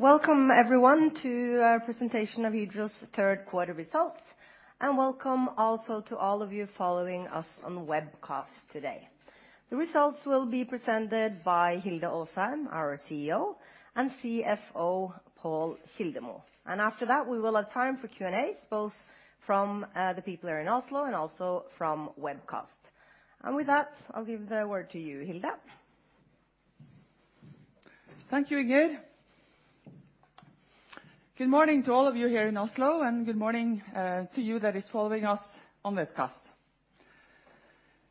Welcome everyone to our presentation of Hydro's third quarter results, welcome also to all of you following us on the webcast today. The results will be presented by Hilde Aasheim, our CEO and CFO, Pål Kildemo. After that, we will have time for Q&As, both from the people that are in Oslo and also from webcast. With that, I'll give the word to you, Hilde. Thank you, Inger. Good morning to all of you here in Oslo. Good morning to you that is following us on webcast.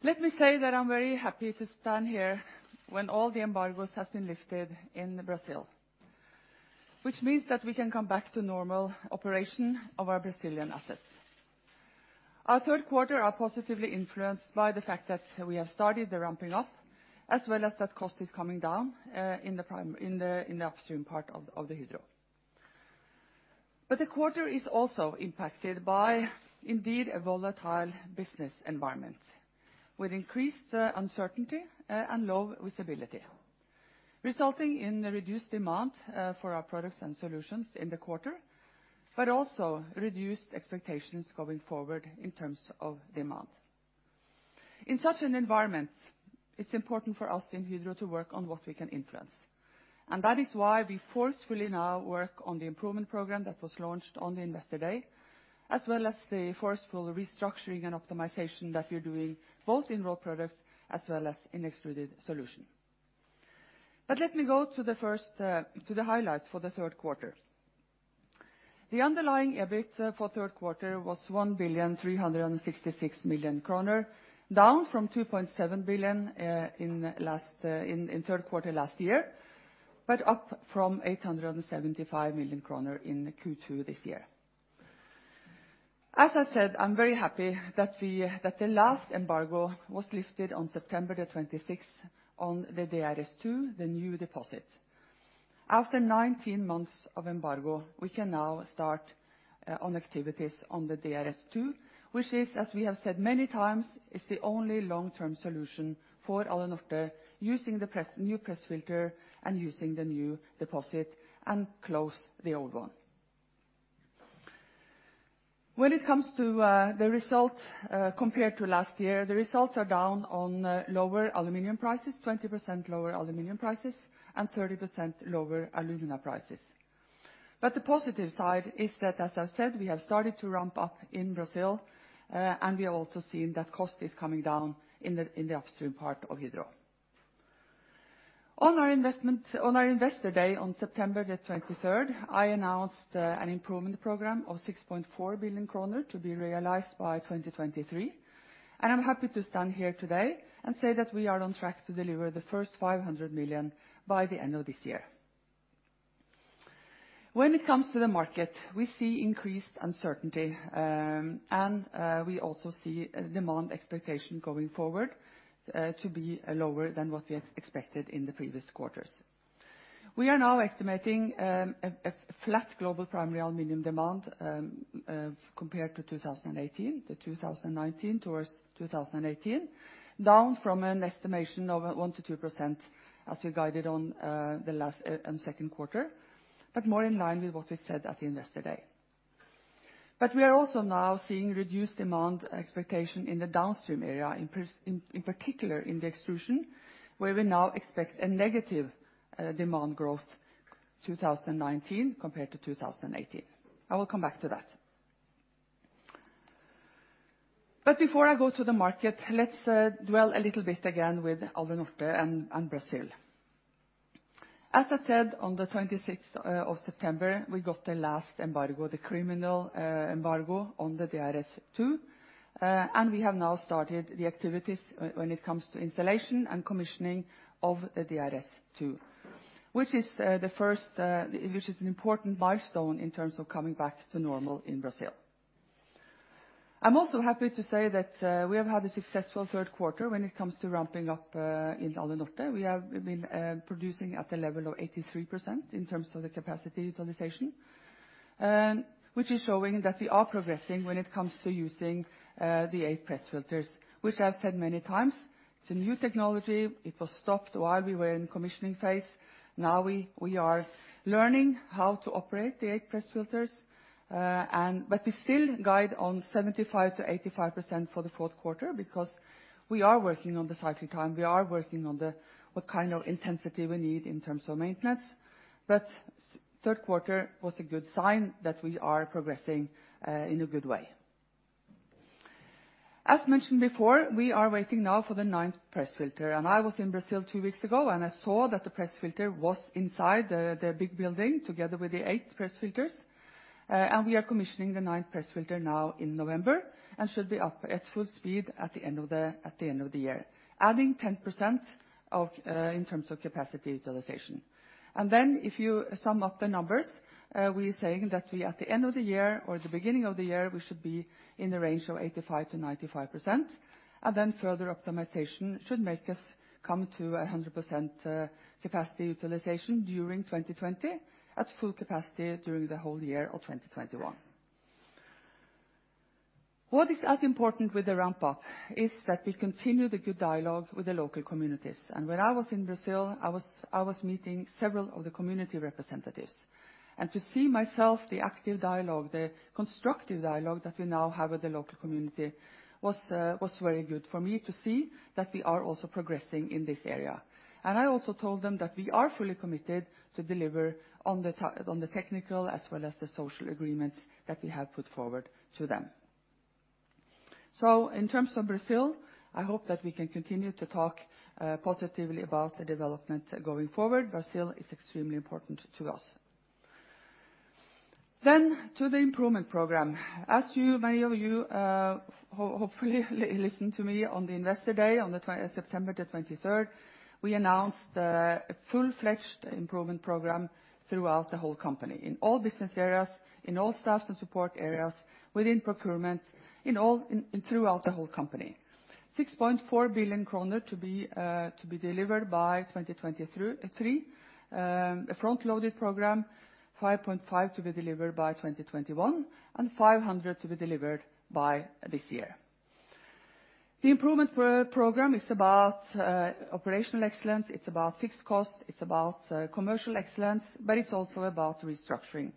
Let me say that I'm very happy to stand here when all the embargoes have been lifted in Brazil, which means that we can come back to normal operation of our Brazilian assets. Our third quarter are positively influenced by the fact that we have started the ramping up, as well as that cost is coming down in the upstream part of Hydro. The quarter is also impacted by indeed a volatile business environment, with increased uncertainty and low visibility, resulting in reduced demand for our products and solutions in the quarter, but also reduced expectations going forward in terms of demand. That is why we forcefully now work on the improvement program that was launched on the Investor Day, as well as the forceful restructuring and optimization that we're doing, both in Rolled Products as well as in Extruded Solutions. Let me go to the highlights for the third quarter. The underlying EBIT for third quarter was 1,366,000,000 kroner down from 2.7 billion in third quarter last year, but up from 875 million kroner in Q2 this year. As I said, I'm very happy that the last embargo was lifted on September 26 on the DRS2, the new deposit. After 19 months of embargo, we can now start on activities on the DRS2, which is, as we have said many times, is the only long-term solution for Alunorte using the new press filter and using the new deposit and close the old one. When it comes to the result compared to last year, the results are down on lower aluminum prices, 20% lower aluminum prices and 30% lower alumina prices. The positive side is that, as I've said, we have started to ramp up in Brazil, and we are also seeing that cost is coming down in the upstream part of Hydro. On our Investor Day on September 23rd, I announced an improvement program of 6.4 billion kroner to be realized by 2023, and I'm happy to stand here today and say that we are on track to deliver the first 500 million by the end of this year. When it comes to the market, we see increased uncertainty, and we also see demand expectation going forward to be lower than what we had expected in the previous quarters. We are now estimating a flat global primary aluminum demand compared to 2018 to 2019 towards 2018, down from an estimation of 1%-2% as we guided on second quarter, but more in line with what we said at the Investor Day. We are also now seeing reduced demand expectation in the downstream area, in particular in the extrusion, where we now expect a negative demand growth 2019 compared to 2018. I will come back to that. Before I go to the market, let's dwell a little bit again with Alunorte and Brazil. As I said, on the 26th of September, we got the last embargo, the criminal embargo on the DRS2. We have now started the activities when it comes to installation and commissioning of the DRS2 which is an important milestone in terms of coming back to normal in Brazil. I'm also happy to say that we have had a successful third quarter when it comes to ramping up in Alunorte. We have been producing at a level of 83% in terms of the capacity utilization, which is showing that we are progressing when it comes to using the eight press filters. I've said many times, it's a new technology. It was stopped while we were in commissioning phase. We are learning how to operate the eight press filters, but we still guide on 75%-85% for the fourth quarter because we are working on the cycling time. We are working on what kind of intensity we need in terms of maintenance. Third quarter was a good sign that we are progressing in a good way. As mentioned before, we are waiting now for the ninth press filter. I was in Brazil two weeks ago, and I saw that the press filter was inside the big building together with the eight press filters. We are commissioning the ninth press filter now in November and should be up at full speed at the end of the year, adding 10% in terms of capacity utilization. If you sum up the numbers, we are saying that at the end of the year or the beginning of the year, we should be in the range of 85%-95%, and then further optimization should make us come to 100% capacity utilization during 2020, at full capacity during the whole year of 2021. What is as important with the ramp-up is that we continue the good dialogue with the local communities. When I was in Brazil, I was meeting several of the community representatives. To see myself the active dialogue, the constructive dialogue that we now have with the local community was very good for me to see that we are also progressing in this area. I also told them that we are fully committed to deliver on the technical as well as the social agreements that we have put forward to them. In terms of Brazil, I hope that we can continue to talk positively about the development going forward. Brazil is extremely important to us. To the improvement program. As many of you hopefully listened to me on the Investor Day on September the 23rd, we announced a full-fledged improvement program throughout the whole company, in all business areas, in all staff and support areas, within procurement, throughout the whole company. 6.4 billion kroner to be delivered by 2023. A front-loaded program, 5.5 to be delivered by 2021, and 500 to be delivered by this year. The improvement program is about operational excellence, it's about fixed costs, it's about commercial excellence, it's also about restructuring.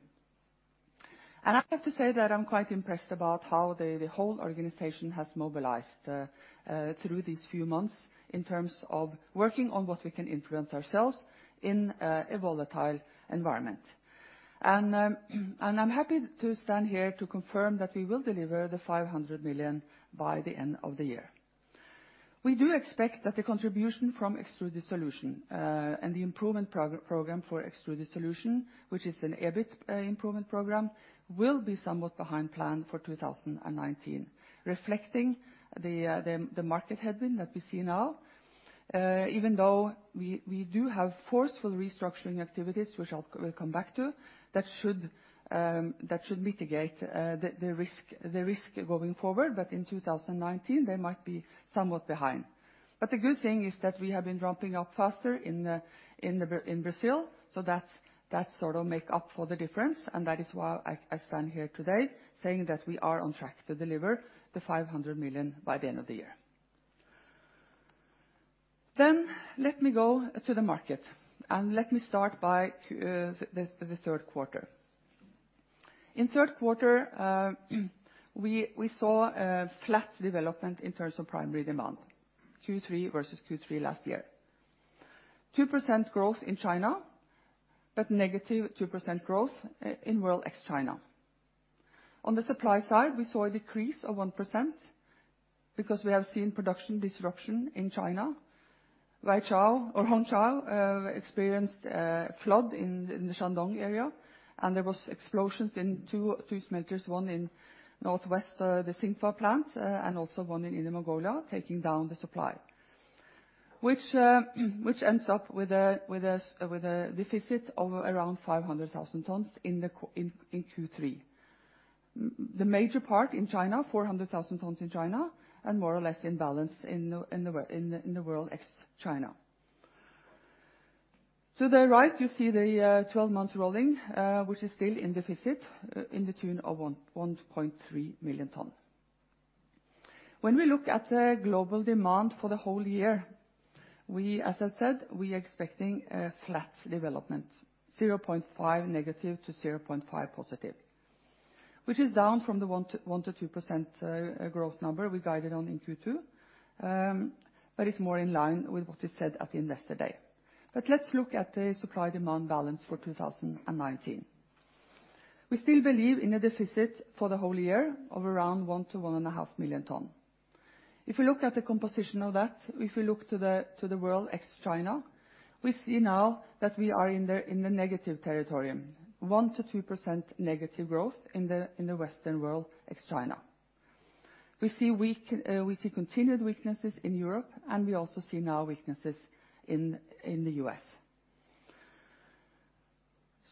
I have to say that I'm quite impressed about how the whole organization has mobilized through these few months in terms of working on what we can influence ourselves in a volatile environment. I'm happy to stand here to confirm that we will deliver the 500 million by the end of the year. We do expect that the contribution from Extruded Solutions and the improvement program for Extruded Solutions, which is an EBIT improvement program, will be somewhat behind plan for 2019, reflecting the market headwind that we see now, even though we do have forceful restructuring activities, which I will come back to, that should mitigate the risk going forward. In 2019, they might be somewhat behind. The good thing is that we have been ramping up faster in Brazil, so that sort of make up for the difference, and that is why I stand here today saying that we are on track to deliver the 500 million by the end of the year. Let me go to the market and let me start by the third quarter. In third quarter we saw a flat development in terms of primary demand, Q3 versus Q3 last year. 2% growth in China, but negative 2% growth in world ex-China. On the supply side, we saw a decrease of 1% because we have seen production disruption in China. Hongqiao experienced a flood in the Shandong area, and there was explosions in two smelters, one in northwest, the Xinfa plant, and also one in Inner Mongolia, taking down the supply. Which ends up with a deficit of around 500,000 tons in Q3. The major part in China, 400,000 tons in China, and more or less in balance in the world ex-China. To the right, you see the 12 months rolling, which is still in deficit in the tune of 1.3 million tons. When we look at the global demand for the whole year, as I said, we are expecting a flat development, 0.5 negative to 0.5 positive, which is down from the 1%-2% growth number we guided on in Q2, but it's more in line with what is said at the Investor Day. Let's look at the supply-demand balance for 2019. We still believe in a deficit for the whole year of around 1 million-1.5 million tons. If we look at the composition of that, if we look to the world ex-China, we see now that we are in the negative territory, 1%-2% negative growth in the Western World ex-China. We see continued weaknesses in Europe, and we also see now weaknesses in the U.S.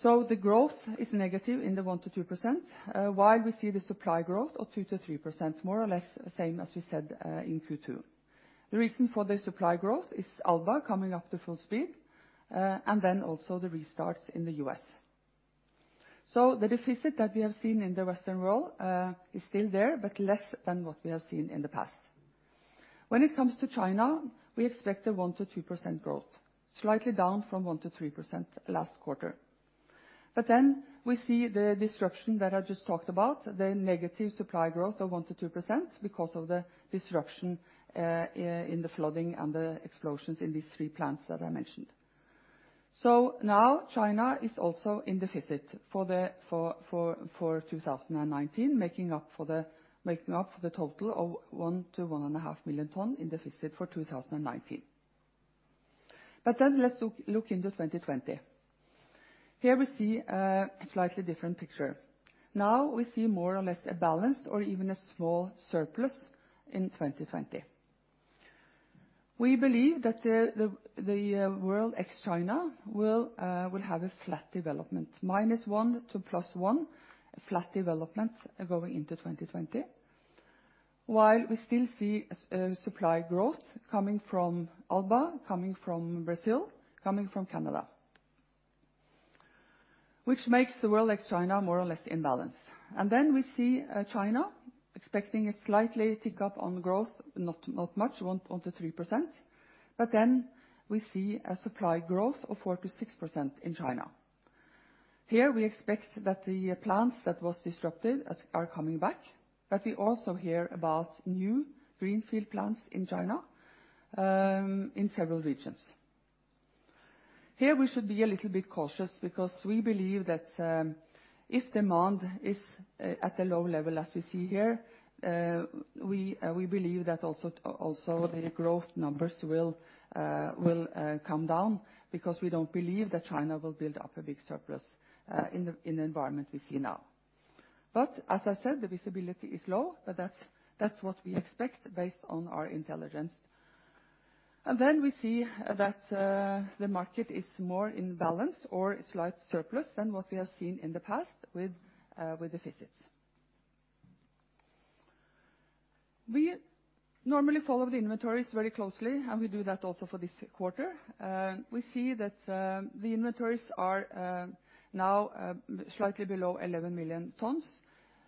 The growth is negative in the 1%-2%, while we see the supply growth of 2%-3%, more or less the same as we said in Q2. The reason for the supply growth is Alba coming up to full speed, and then also the restarts in the U.S. The deficit that we have seen in the Western World is still there, but less than what we have seen in the past. When it comes to China, we expect a 1%-2% growth, slightly down from 1%-3% last quarter. We see the disruption that I just talked about, the negative supply growth of 1%-2% because of the disruption in the flooding and the explosions in these three plants that I mentioned. China is also in deficit for 2019, making up for the total of 1 million-1.5 million tons in deficit for 2019. Let's look into 2020. Here we see a slightly different picture. We see more or less a balanced or even a small surplus in 2020. We believe that the world ex-China will have a flat development, -1 to +1, flat development going into 2020. While we still see supply growth coming from Alba, coming from Brazil, coming from Canada, which makes the world like China more or less in balance. We see China expecting a slight tick-up on growth, not much, 1%-3%. We see a supply growth of 4%-6% in China. Here we expect that the plants that was disrupted are coming back. We also hear about new greenfield plants in China, in several regions. Here we should be a little bit cautious because we believe that if demand is at a low level as we see here, we believe that also the growth numbers will come down because we don't believe that China will build up a big surplus in the environment we see now. As I said, the visibility is low, but that's what we expect based on our intelligence. We see that the market is more in balance or a slight surplus than what we have seen in the past with deficits. We normally follow the inventories very closely, and we do that also for this quarter. We see that the inventories are now slightly below 11 million tons,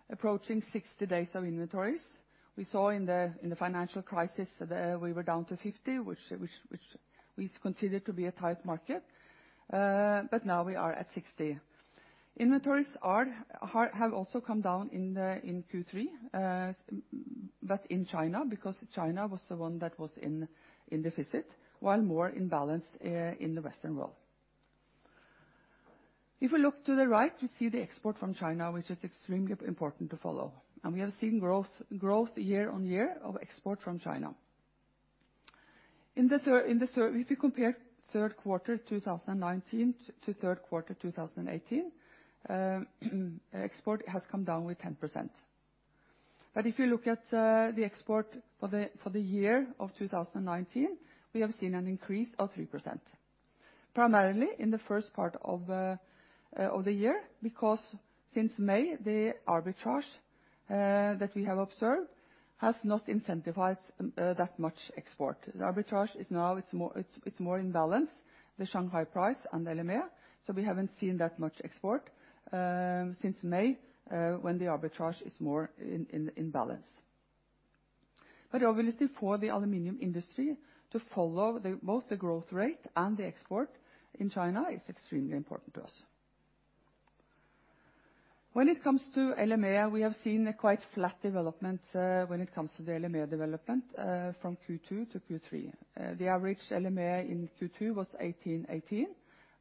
approaching 60 days of inventories. We saw in the financial crisis, we were down to 50, which we considered to be a tight market. Now we are at 60. Inventories have also come down in Q3, but in China, because China was the one that was in deficit, while more in balance in the Western world. If we look to the right, we see the export from China, which is extremely important to follow, and we have seen growth year-on-year of export from China. If you compare third quarter 2019 to third quarter 2018, export has come down with 10%. If you look at the export for the year of 2019, we have seen an increase of 3%, primarily in the first part of the year because since May, the arbitrage that we have observed has not incentivized that much export. The arbitrage it's more in balance, the Shanghai price and the LME, so we haven't seen that much export since May when the arbitrage is more in balance. Obviously for the aluminum industry to follow both the growth rate and the export in China is extremely important to us. When it comes to LME, we have seen a quite flat development when it comes to the LME development from Q2 to Q3. The average LME in Q2 was 1,818,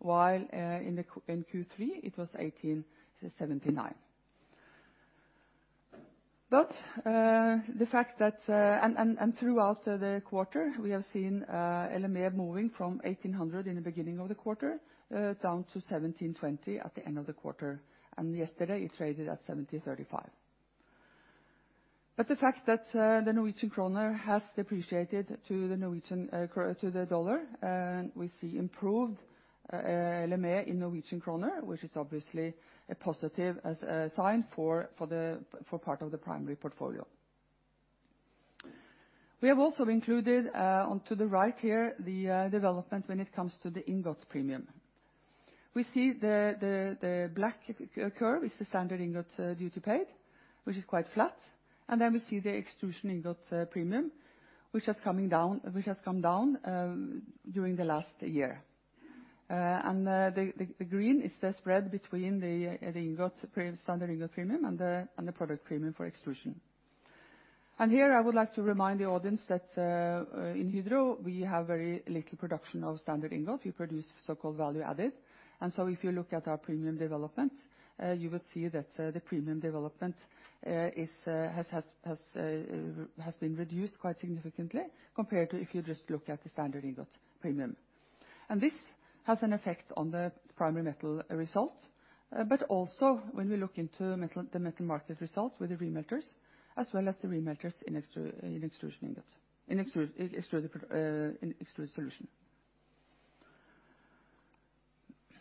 while in Q3 it was 1,879. Throughout the quarter, we have seen LME moving from $1,800 in the beginning of the quarter down to $1,720 at the end of the quarter. Yesterday it traded at $1,735. The fact that the Norwegian krone has depreciated to the U.S. dollar, we see improved LME in Norwegian krone, which is obviously a positive sign for part of the primary portfolio. We have also included on to the right here the development when it comes to the ingot premium. We see the black curve is the standard ingot duty paid, which is quite flat. We see the extrusion ingot premium, which has come down during the last year. The green is the spread between the standard ingot premium and the product premium for extrusion. Here I would like to remind the audience that in Hydro, we have very little production of standard ingot. We produce so-called value added. If you look at our premium development, you will see that the premium development has been reduced quite significantly compared to if you just look at the standard ingot premium. This has an effect on the primary metal result, but also when we look into the metal market result with the remelters, as well as the remelters in extrusion ingot, in Extruded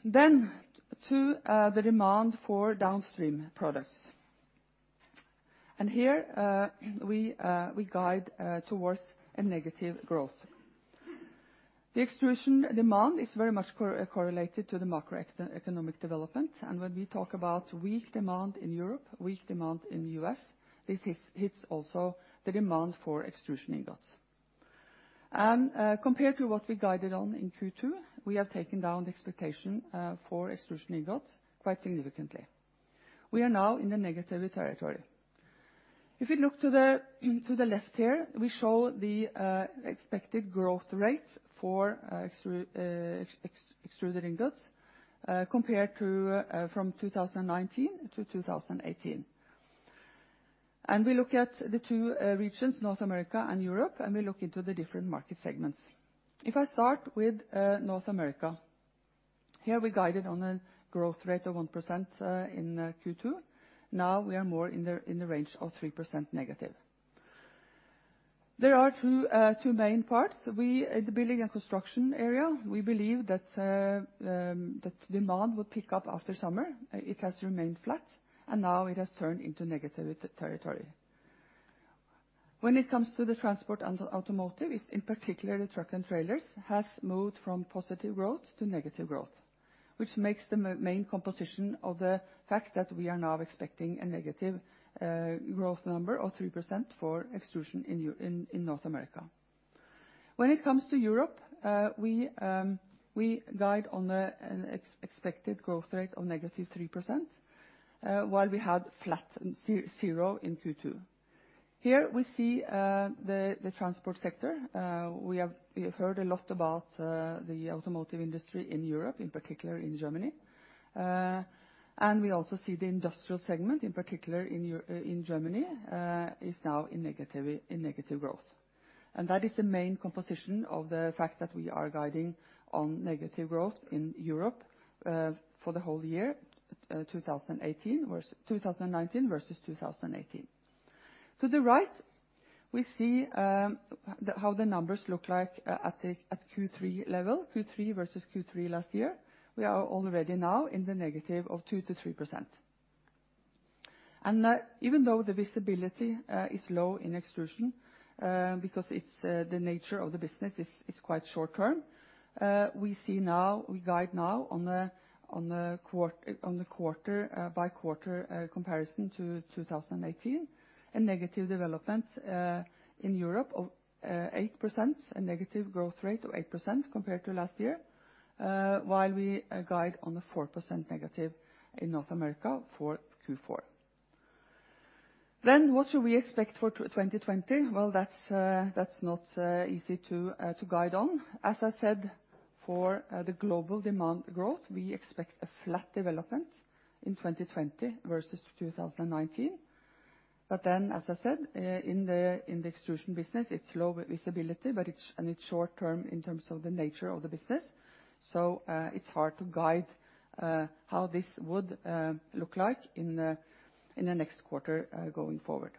Solutions. To the demand for downstream products. Here we guide towards a negative growth. The extrusion demand is very much correlated to the macroeconomic development. When we talk about weak demand in Europe, weak demand in the U.S., this hits also the demand for extrusion ingots. Compared to what we guided on in Q2, we have taken down the expectation for extrusion ingots quite significantly. We are now in the negative territory. If we look to the left here, we show the expected growth rate for extruded ingots compared from 2019 to 2018. We look at the two regions, North America and Europe, and we look into the different market segments. If I start with North America, here we guided on a growth rate of 1% in Q2. Now we are more in the range of 3% negative. There are two main parts. In the building and construction area, we believe that demand would pick up after summer. It has remained flat and now it has turned into negative territory. When it comes to the transport and automotive, in particular the truck and trailers, has moved from positive growth to negative growth, which makes the main composition of the fact that we are now expecting a negative growth number of 3% for Extrusion North America. When it comes to Europe, we guide on an expected growth rate of -3%, while we had flat and 0 in Q2. Here we see the transport sector. We have heard a lot about the automotive industry in Europe, in particular in Germany. We also see the industrial segment, in particular in Germany, is now in negative growth. That is the main composition of the fact that we are guiding on negative growth in Europe for the whole year, 2019 versus 2018. To the right, we see how the numbers look like at Q3 level, Q3 versus Q3 last year. We are already now in the negative of 2%-3%. Even though the visibility is low in Extrusion because it's the nature of the business, it's quite short-term, we guide now on the quarter-by-quarter comparison to 2018, a negative development in Europe of 8%, a negative growth rate of 8% compared to last year, while we guide on the 4% negative in North America for Q4. What should we expect for 2020? That's not easy to guide on. As I said, for the global demand growth, we expect a flat development in 2020 versus 2019. As I said, in the Extrusion business, it's low visibility. It's short-term in terms of the nature of the business. It's hard to guide how this would look like in the next quarter going forward.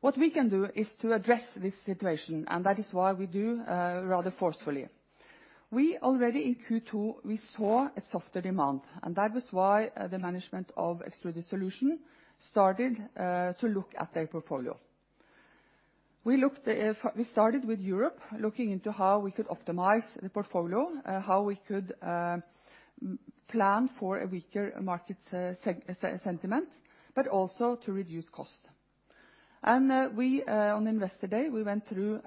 What we can do is to address this situation, and that is why we do rather forcefully. We already in Q2, we saw a softer demand. That was why the management of Extruded Solutions started to look at their portfolio. We started with Europe, looking into how we could optimize the portfolio, how we could plan for a weaker market sentiment, but also to reduce costs. On Investor Day, we went through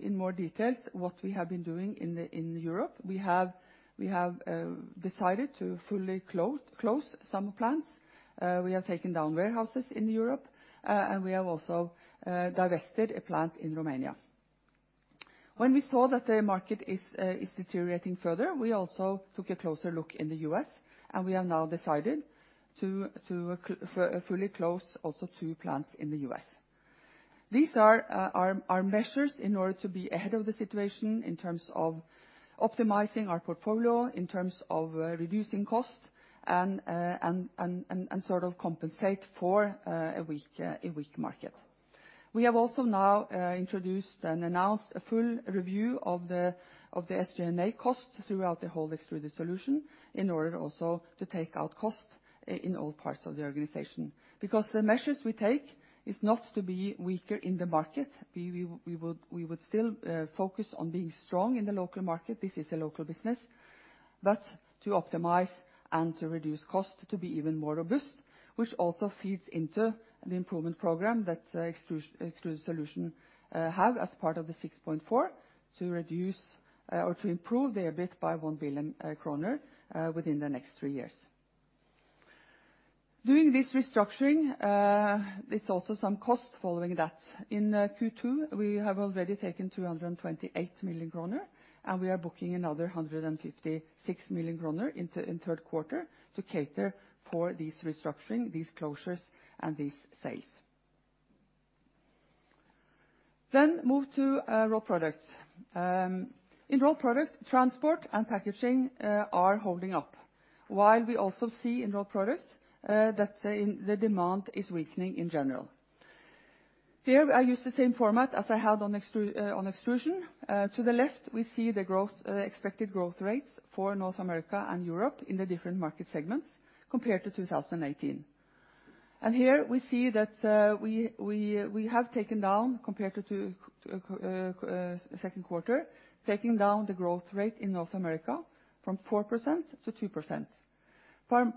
in more details what we have been doing in Europe. We have decided to fully close some plants. We have taken down warehouses in Europe. We have also divested a plant in Romania. When we saw that the market is deteriorating further, we also took a closer look in the U.S. We have now decided to fully close also two plants in the U.S. These are our measures in order to be ahead of the situation in terms of optimizing our portfolio, in terms of reducing costs, and sort of compensate for a weak market. We have also now introduced and announced a full review of the SG&A costs throughout the whole Extruded Solutions in order also to take out costs in all parts of the organization, because the measures we take is not to be weaker in the market. We would still focus on being strong in the local market. This is a local business. To optimize and to reduce cost, to be even more robust, which also feeds into the improvement program that Extruded Solutions have as part of the 6.4 to reduce or to improve the EBIT by 1 billion kroner within the next three years. Doing this restructuring, there's also some costs following that. In Q2, we have already taken 228 million kroner, we are booking another 156 million kroner in third quarter to cater for these restructuring, these closures, and these sales. Move to Rolled Products. In Rolled Products, transport and packaging are holding up, while we also see in Rolled Products that the demand is weakening in general. Here I use the same format as I had on Extrusion. To the left, we see the expected growth rates for North America and Europe in the different market segments compared to 2018. Here we see that we have taken down compared to second quarter, taking down the growth rate in North America from 4%-2%,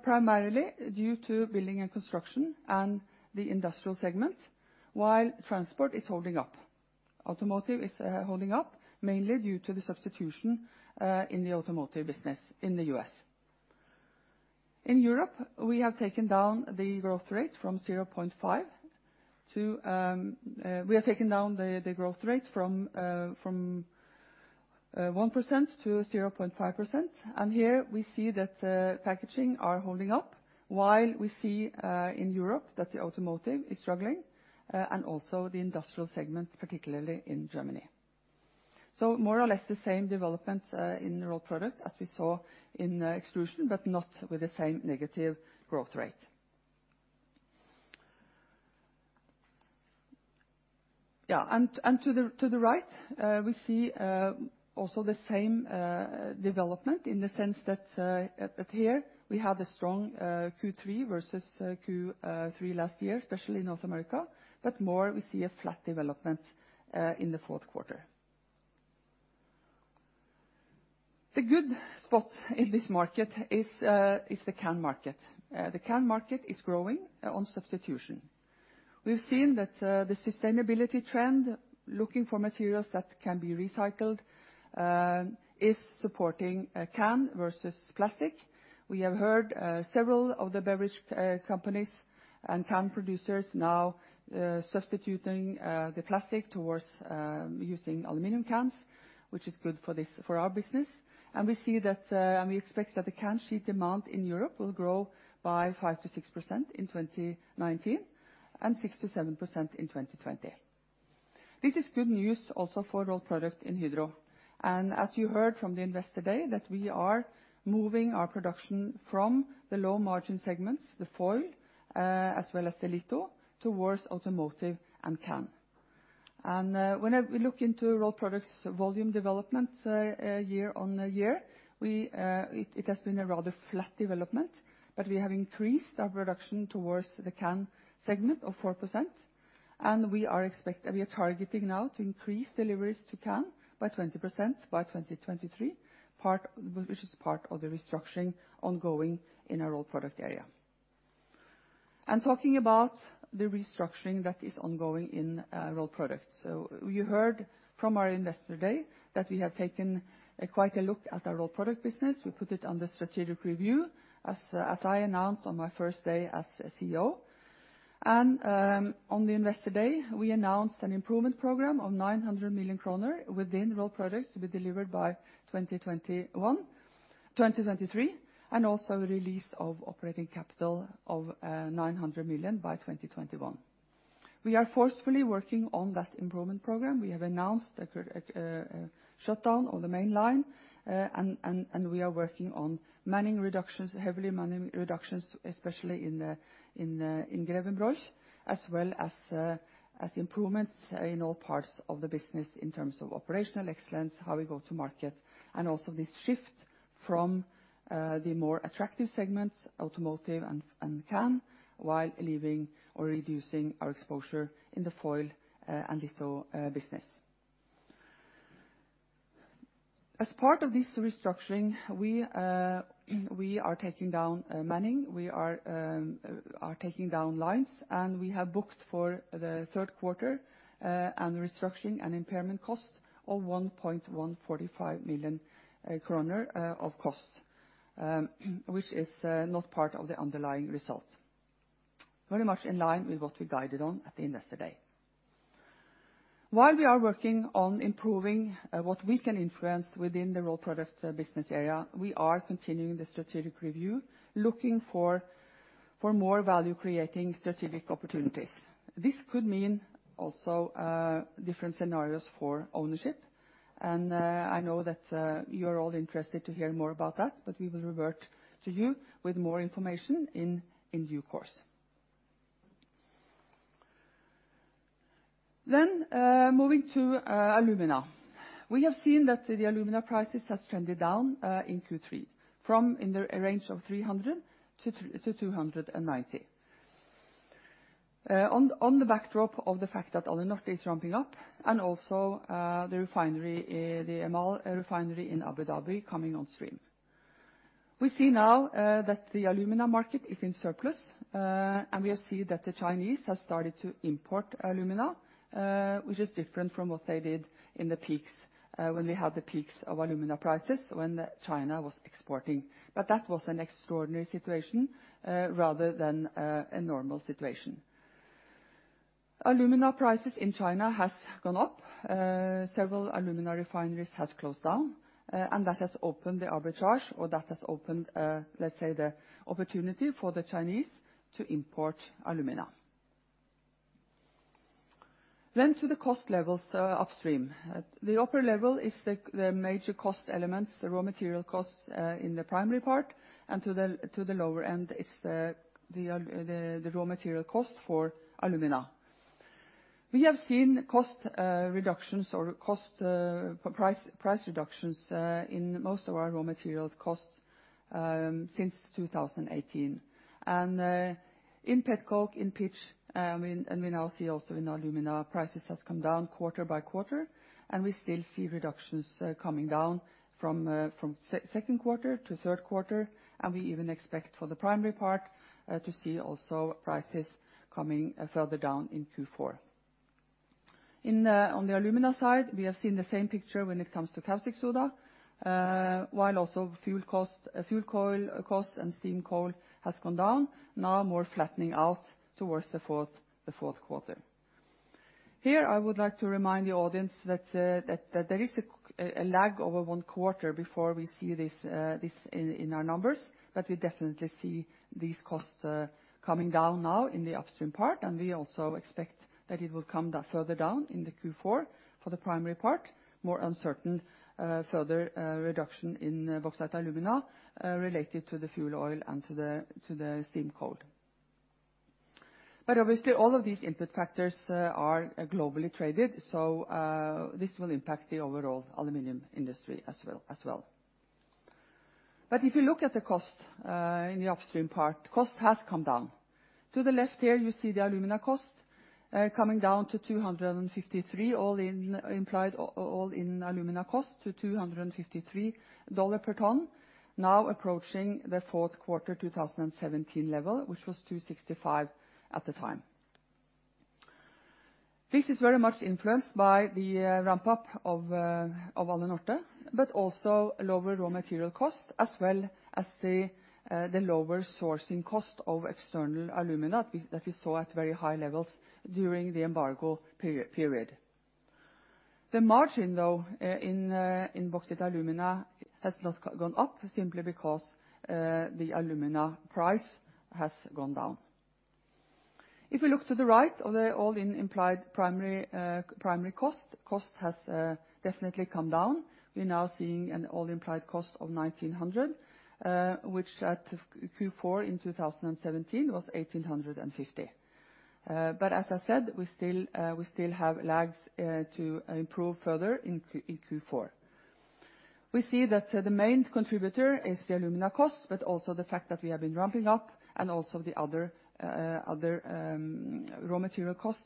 primarily due to building and construction and the industrial segment, while transport is holding up. Automotive is holding up mainly due to the substitution in the automotive business in the U.S. In Europe, we have taken down the growth rate from 1% to 0.5%. Here we see that packaging are holding up, while we see in Europe that the automotive is struggling, and also the industrial segment, particularly in Germany. More or less the same development in the Rolled Products as we saw in Extrusion, but not with the same negative growth rate. Yeah. To the right we see also the same development in the sense that here we have a strong Q3 versus Q3 last year, especially in North America, but more we see a flat development in the fourth quarter. The good spot in this market is the can market. The can market is growing on substitution. We've seen that the sustainability trend, looking for materials that can be recycled, is supporting can versus plastic. We have heard several of the beverage companies and can producers now substituting the plastic towards using aluminum cans, which is good for our business. We expect that the can sheet demand in Europe will grow by 5%-6% in 2019, and 6%-7% in 2020. This is good news also for Rolled Products in Hydro. As you heard from the Investor Day, that we are moving our production from the low margin segments, the foil as well as the litho, towards automotive and can. Whenever we look into Rolled Products volume development year-on-year, it has been a rather flat development, but we have increased our production towards the can segment of 4%. We are targeting now to increase deliveries to can by 20% by 2023, which is part of the restructuring ongoing in our Rolled Product area. Talking about the restructuring that is ongoing in Rolled Products. You heard from our Investor Day that we have taken quite a look at our Rolled Product business. We put it under strategic review as I announced on my first day as CEO. On the Investor Day, we announced an improvement program of 900 million kroner within Rolled Products to be delivered by 2023, and also release of operating capital of 900 million by 2021. We are forcefully working on that improvement program. We have announced a shutdown of the mainline, and we are working on heavily manning reductions, especially in Grevenbroich as well as improvements in all parts of the business in terms of operational excellence, how we go to market, and also this shift from the more attractive segments, automotive and can, while leaving or reducing our exposure in the foil and litho business. As part of this restructuring, we are taking down manning, we are taking down lines, we have booked for the third quarter restructuring and impairment costs of 1,145 million kroner of costs, which is not part of the underlying result. Very much in line with what we guided on at the Investor Day. While we are working on improving what we can influence within the Rolled Products business area, we are continuing the strategic review, looking for more value-creating strategic opportunities. This could mean also different scenarios for ownership. I know that you're all interested to hear more about that, we will revert to you with more information in due course. Moving to alumina. We have seen that the alumina prices has trended down in Q3 from in the range of $300 to $290. On the backdrop of the fact that Alunorte is ramping up, and also the EMAL refinery in Abu Dhabi coming on stream. We see now that the alumina market is in surplus, and we have seen that the Chinese have started to import alumina, which is different from what they did when we had the peaks of alumina prices when China was exporting. That was an extraordinary situation rather than a normal situation. Alumina prices in China has gone up. Several alumina refineries has closed down, and that has opened the arbitrage or that has opened, let's say, the opportunity for the Chinese to import alumina. To the cost levels upstream. The upper level is the major cost elements, the raw material costs in the primary part, and to the lower end is the raw material cost for alumina. We have seen cost reductions or price reductions in most of our raw materials costs since 2018. In petcoke, in pitch, and we now see also in alumina, prices has come down quarter by quarter, and we still see reductions coming down from second quarter to third quarter, and we even expect for the primary part to see also prices coming further down in Q4. On the alumina side, we have seen the same picture when it comes to caustic soda, while also fuel oil costs and steam coal has gone down, now more flattening out towards the fourth quarter. Here I would like to remind the audience that there is a lag over one quarter before we see this in our numbers. We definitely see these costs coming down now in the upstream part, and we also expect that it will come further down in the Q4 for the primary part. More uncertain further reduction in bauxite alumina related to the fuel oil and to the steam coal. Obviously all of these input factors are globally traded, so this will impact the overall aluminum industry as well. If you look at the cost in the upstream part, cost has come down. To the left here you see the alumina cost coming down to 253, all-in implied, all-in alumina cost to $253 per ton, now approaching the fourth quarter 2017 level, which was 265 at the time. This is very much influenced by the ramp-up of Alunorte, but also lower raw material costs as well as the lower sourcing cost of external alumina that we saw at very high levels during the embargo period. The margin though, in bauxite alumina has not gone up simply because the alumina price has gone down. If we look to the right of the all-in implied primary cost has definitely come down. We are now seeing an all implied cost of 1,900, which at Q4 in 2017 was 1,850. As I said, we still have lags to improve further in Q4. We see that the main contributor is the alumina cost, but also the fact that we have been ramping up and also the other raw material cost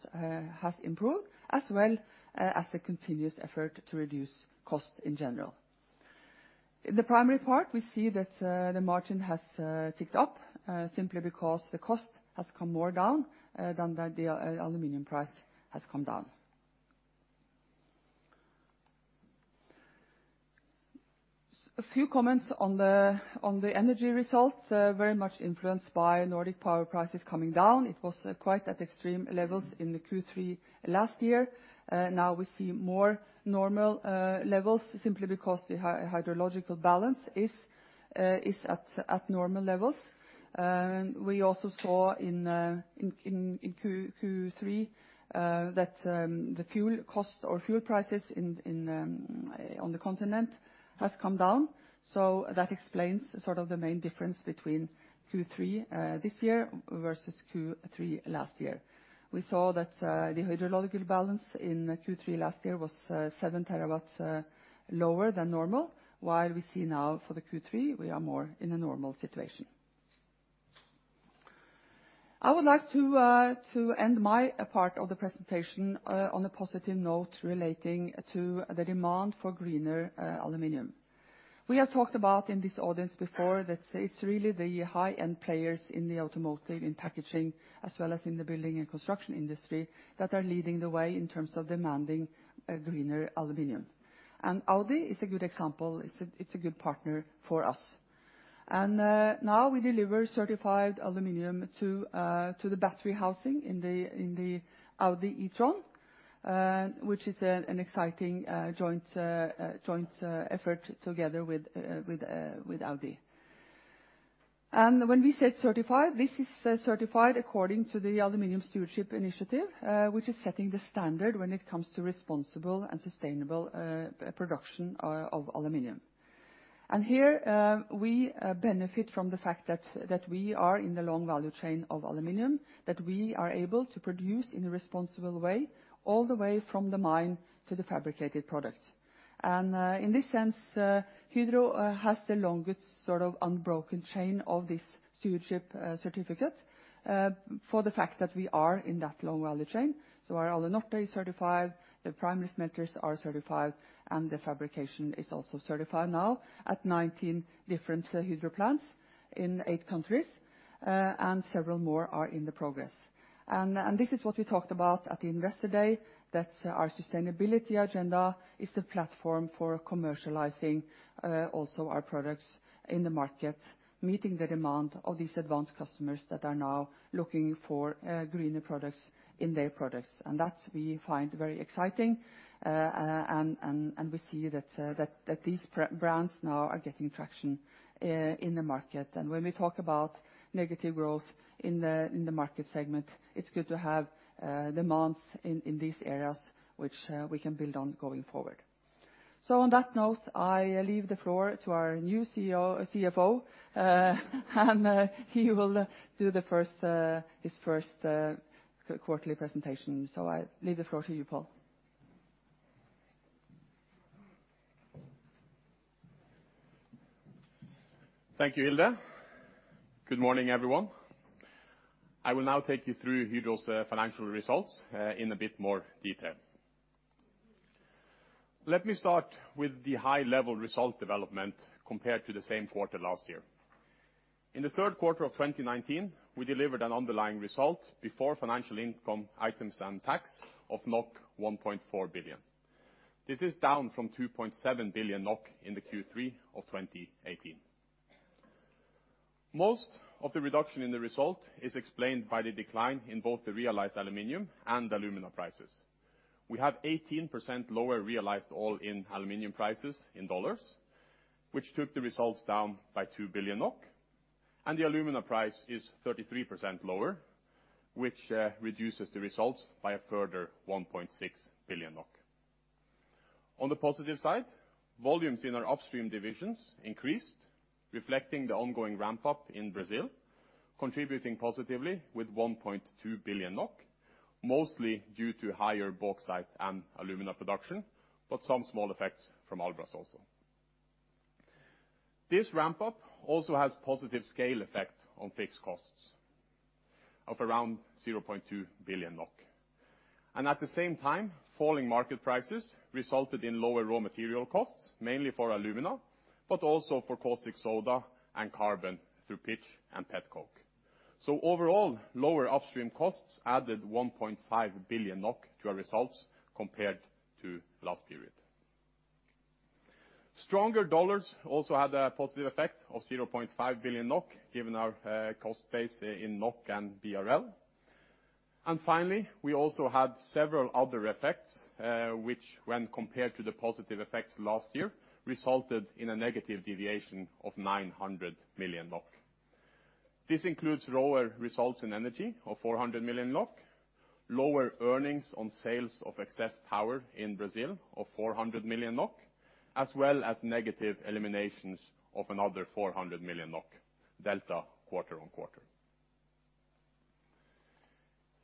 has improved as well as the continuous effort to reduce cost in general. In the primary part, we see that the margin has ticked up, simply because the cost has come more down than the aluminum price has come down. A few comments on the Energy results, very much influenced by Nordic power prices coming down. It was quite at extreme levels in the Q3 last year. Now we see more normal levels simply because the hydrological balance is at normal levels. We also saw in Q3 that the fuel cost or fuel prices on the continent has come down. That explains sort of the main difference between Q3 this year versus Q3 last year. We saw that the hydrological balance in Q3 last year was seven terawatts lower than normal, while we see now for the Q3, we are more in a normal situation. I would like to end my part of the presentation on a positive note relating to the demand for greener aluminum. We have talked about in this audience before that it's really the high-end players in the automotive and packaging, as well as in the building and construction industry that are leading the way in terms of demanding greener aluminum. Audi is a good example, it's a good partner for us. Now we deliver certified aluminum to the battery housing in the Audi e-tron, which is an exciting joint effort together with Audi. When we said certified, this is certified according to the Aluminum Stewardship Initiative, which is setting the standard when it comes to responsible and sustainable production of aluminum. Here, we benefit from the fact that we are in the long value chain of aluminum, that we are able to produce in a responsible way, all the way from the mine to the fabricated product. In this sense, Hydro has the longest sort of unbroken chain of this stewardship certificate, for the fact that we are in that long value chain. Our Alunorte is certified, the primary smelters are certified, and the fabrication is also certified now at 19 different Hydro plants in eight countries. Several more are in the progress. This is what we talked about at the Investor Day, that our sustainability agenda is the platform for commercializing also our products in the market, meeting the demand of these advanced customers that are now looking for greener products in their products. That we find very exciting. We see that these brands now are getting traction in the market. When we talk about negative growth in the market segment, it's good to have demands in these areas, which we can build on going forward. On that note, I leave the floor to our new CFO. He will do his first quarterly presentation. I leave the floor to you, Pål. Thank you, Hilde. Good morning, everyone. I will now take you through Hydro's financial results in a bit more detail. Let me start with the high-level result development compared to the same quarter last year. In the third quarter of 2019, we delivered an underlying result before financial income items and tax of 1.4 billion. This is down from 2.7 billion NOK in the Q3 of 2018. Most of the reduction in the result is explained by the decline in both the realized aluminum and alumina prices. We have 18% lower realized all-in aluminum prices in dollars, which took the results down by 2 billion NOK. The alumina price is 33% lower, which reduces the results by a further 1.6 billion NOK. On the positive side, volumes in our upstream divisions increased, reflecting the ongoing ramp-up in Brazil, contributing positively with 1.2 billion NOK, mostly due to higher bauxite and alumina production, but some small effects from Albras also. This ramp-up also has positive scale effect on fixed costs of around 0.2 billion NOK. At the same time, falling market prices resulted in lower raw material costs, mainly for alumina, but also for caustic soda and carbon through pitch and pet coke. Overall, lower upstream costs added 1.5 billion NOK to our results compared to last period. Stronger dollars also had a positive effect of 0.5 billion NOK given our cost base in NOK and BRL. Finally, we also had several other effects, which when compared to the positive effects last year, resulted in a negative deviation of 900 million NOK. This includes lower results in energy of 400 million NOK, lower earnings on sales of excess power in Brazil of 400 million NOK, as well as negative eliminations of another 400 million NOK delta quarter-on-quarter.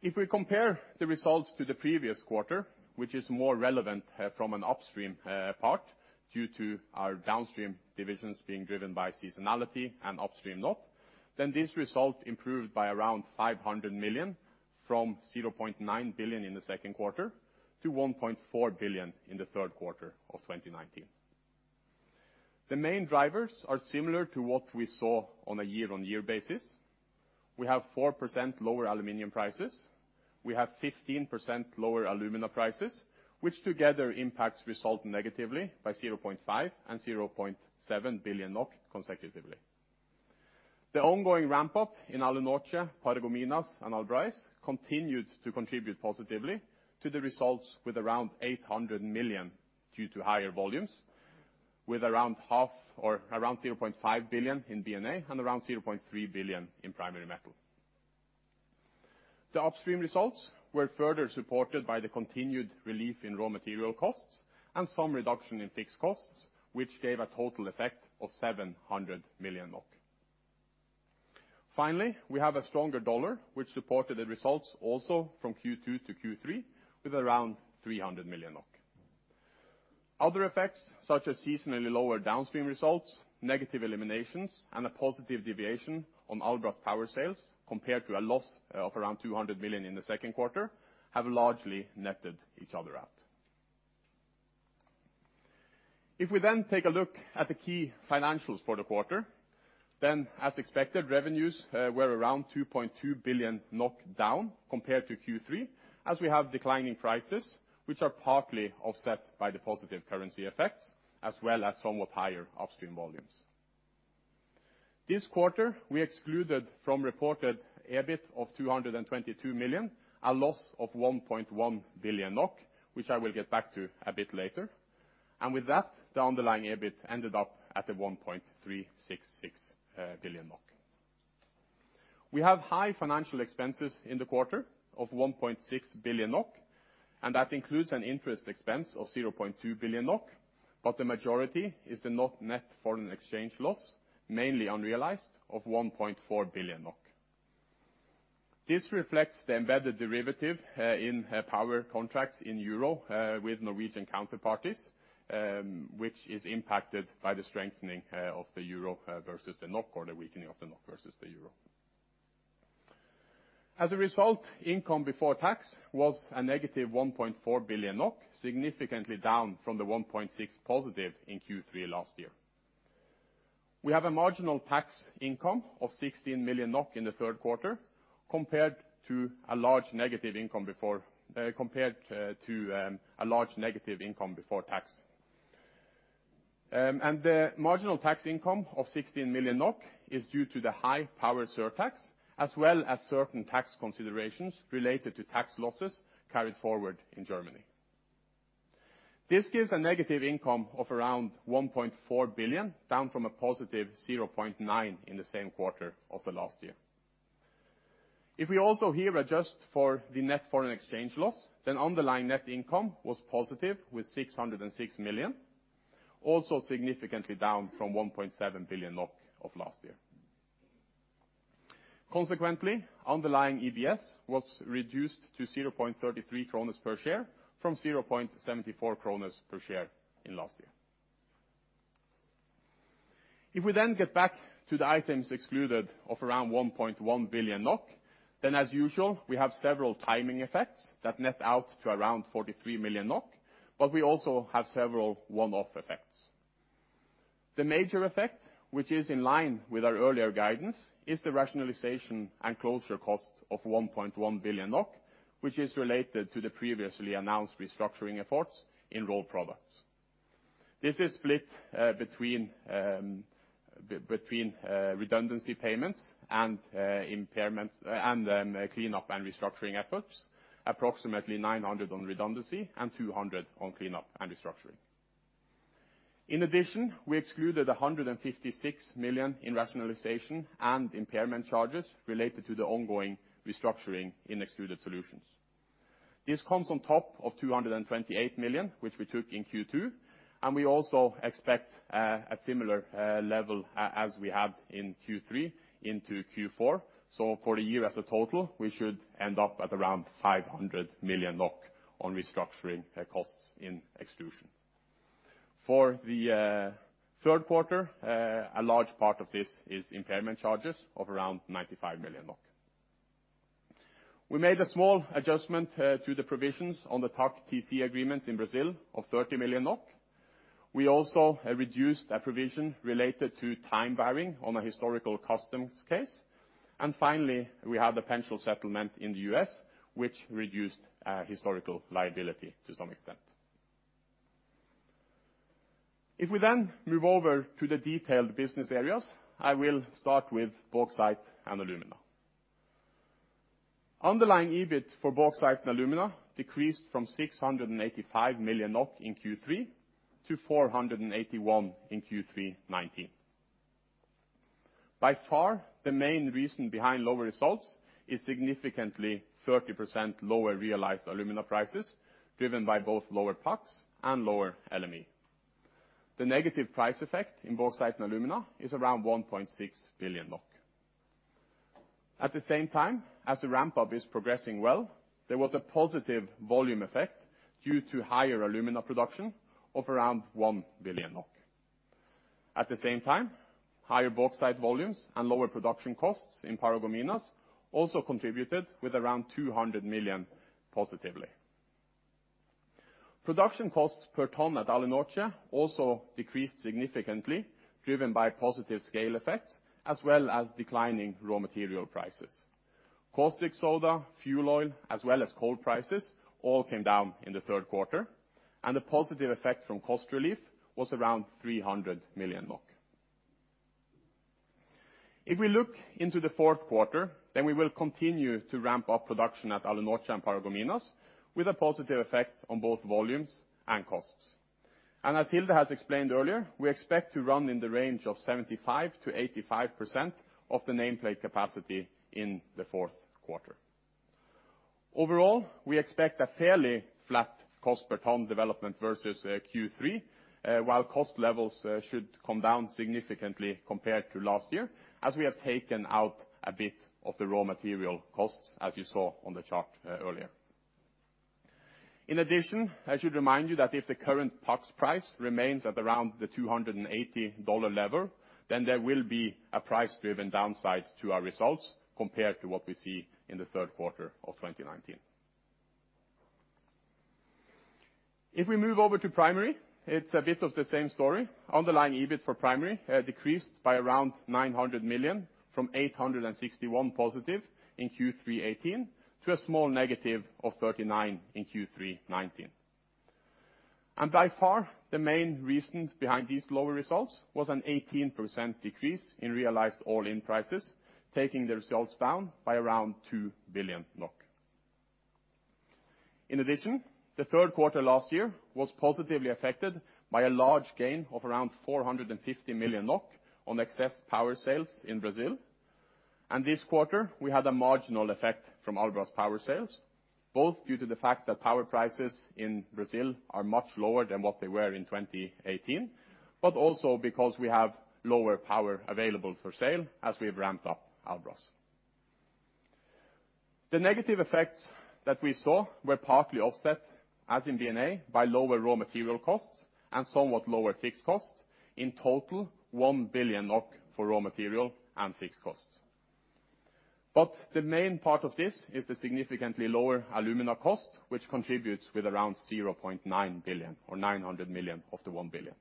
If we compare the results to the previous quarter, which is more relevant from an upstream part due to our downstream divisions being driven by seasonality and upstream NOK, then this result improved by around 500 million, from 0.9 billion in the second quarter to 1.4 billion in the third quarter of 2019. The main drivers are similar to what we saw on a year-on-year basis. We have 4% lower aluminum prices. We have 15% lower alumina prices, which together impacts result negatively by 0.5 billion and 0.7 billion NOK consecutively. The ongoing ramp-up in Alunorte, Paragominas, and Albras continued to contribute positively to the results with around 800 million due to higher volumes, with around half or around 0.5 billion in B&A and around 0.3 billion in primary metal. The upstream results were further supported by the continued relief in raw material costs and some reduction in fixed costs, which gave a total effect of 700 million NOK. Finally, we have a stronger dollar, which supported the results also from Q2 to Q3 with around 300 million NOK. Other effects such as seasonally lower downstream results, negative eliminations, and a positive deviation on Albras power sales compared to a loss of around 200 million in the second quarter have largely netted each other out. If we then take a look at the key financials for the quarter, then as expected, revenues were around 2.2 billion down compared to Q3, as we have declining prices, which are partly offset by the positive currency effects as well as somewhat higher upstream volumes. This quarter, we excluded from reported EBIT of 222 million, a loss of 1.1 billion NOK, which I will get back to a bit later. With that, the underlying EBIT ended up at 1.366 billion NOK. We have high financial expenses in the quarter of 1.6 billion NOK, and that includes an interest expense of 0.2 billion NOK. The majority is the NOK net foreign exchange loss, mainly unrealized, of 1.4 billion NOK. This reflects the embedded derivative in power contracts in euro with Norwegian counterparties, which is impacted by the strengthening of the euro versus the NOK or the weakening of the NOK versus the euro. As a result, income before tax was a negative 1.4 billion NOK, significantly down from the 1.6 positive in Q3 last year. We have a marginal tax income of 16 million NOK in the third quarter compared to a large negative income before tax. The marginal tax income of 16 million NOK is due to the high power surtax, as well as certain tax considerations related to tax losses carried forward in Germany. This gives a negative income of around 1.4 billion, down from a positive 0.9 in the same quarter of the last year. If we also here adjust for the net foreign exchange loss, then underlying net income was positive with 606 million, also significantly down from 1.7 billion of last year. Consequently, underlying EPS was reduced to 0.33 per share from 0.74 per share in last year. If we then get back to the items excluded of around 1.1 billion NOK, then as usual, we have several timing effects that net out to around 43 million NOK, but we also have several one-off effects. The major effect, which is in line with our earlier guidance, is the rationalization and closure cost of 1.1 billion NOK, which is related to the previously announced restructuring efforts in Rolled Products. This is split between redundancy payments and impairments and cleanup and restructuring efforts, approximately 900 on redundancy and 200 on cleanup and restructuring. In addition, we excluded 156 million in rationalization and impairment charges related to the ongoing restructuring in Extruded Solutions. This comes on top of 228 million, which we took in Q2. We also expect a similar level as we have in Q3 into Q4. For the year as a total, we should end up at around 500 million NOK on restructuring costs in extrusion. For the third quarter, a large part of this is impairment charges of around 95 million. We made a small adjustment to the provisions on the TAC/TC agreements in Brazil of 30 million NOK. We also reduced a provision related to time barring on a historical customs case. Finally, we had the potential settlement in the U.S., which reduced historical liability to some extent. If we then move over to the detailed business areas, I will start with Bauxite & Alumina. Underlying EBIT for Bauxite & Alumina decreased from 685 million NOK in Q3 to 481 million in Q3 2019. By far, the main reason behind lower results is significantly 30% lower realized alumina prices, driven by both lower PAX and lower LME. The negative price effect in Bauxite & Alumina is around 1.6 billion NOK. At the same time, as the ramp-up is progressing well, there was a positive volume effect due to higher alumina production of around 1 billion NOK. At the same time, higher bauxite volumes and lower production costs in Paragominas also contributed with around 200 million positively. Production costs per ton at Alunorte also decreased significantly, driven by positive scale effects as well as declining raw material prices. Caustic soda, fuel oil, as well as coal prices all came down in the third quarter. The positive effect from cost relief was around 300 million. If we look into the fourth quarter, we will continue to ramp up production at Alunorte and Paragominas, with a positive effect on both volumes and costs. As Hilde has explained earlier, we expect to run in the range of 75%-85% of the nameplate capacity in the fourth quarter. Overall, we expect a fairly flat cost per ton development versus Q3, while cost levels should come down significantly compared to last year, as we have taken out a bit of the raw material costs as you saw on the chart earlier. I should remind you that if the current PAX price remains at around the $280 level, then there will be a price-driven downside to our results compared to what we see in the third quarter of 2019. If we move over to primary, it's a bit of the same story. Underlying EBIT for primary decreased by around 900 million, from 861 positive in Q3 '18, to a small negative of 39 in Q3 '19. By far, the main reasons behind these lower results was an 18% decrease in realized all-in prices, taking the results down by around 2 billion NOK. The third quarter last year was positively affected by a large gain of around 450 million NOK on excess power sales in Brazil. This quarter, we had a marginal effect from Albras power sales, both due to the fact that power prices in Brazil are much lower than what they were in 2018, but also because we have lower power available for sale as we've ramped up Albras. The negative effects that we saw were partly offset, as in B&A, by lower raw material costs and somewhat lower fixed costs. In total, 1 billion NOK for raw material and fixed costs. The main part of this is the significantly lower alumina cost, which contributes with around 0.9 billion, or 900 million of the 1 billion.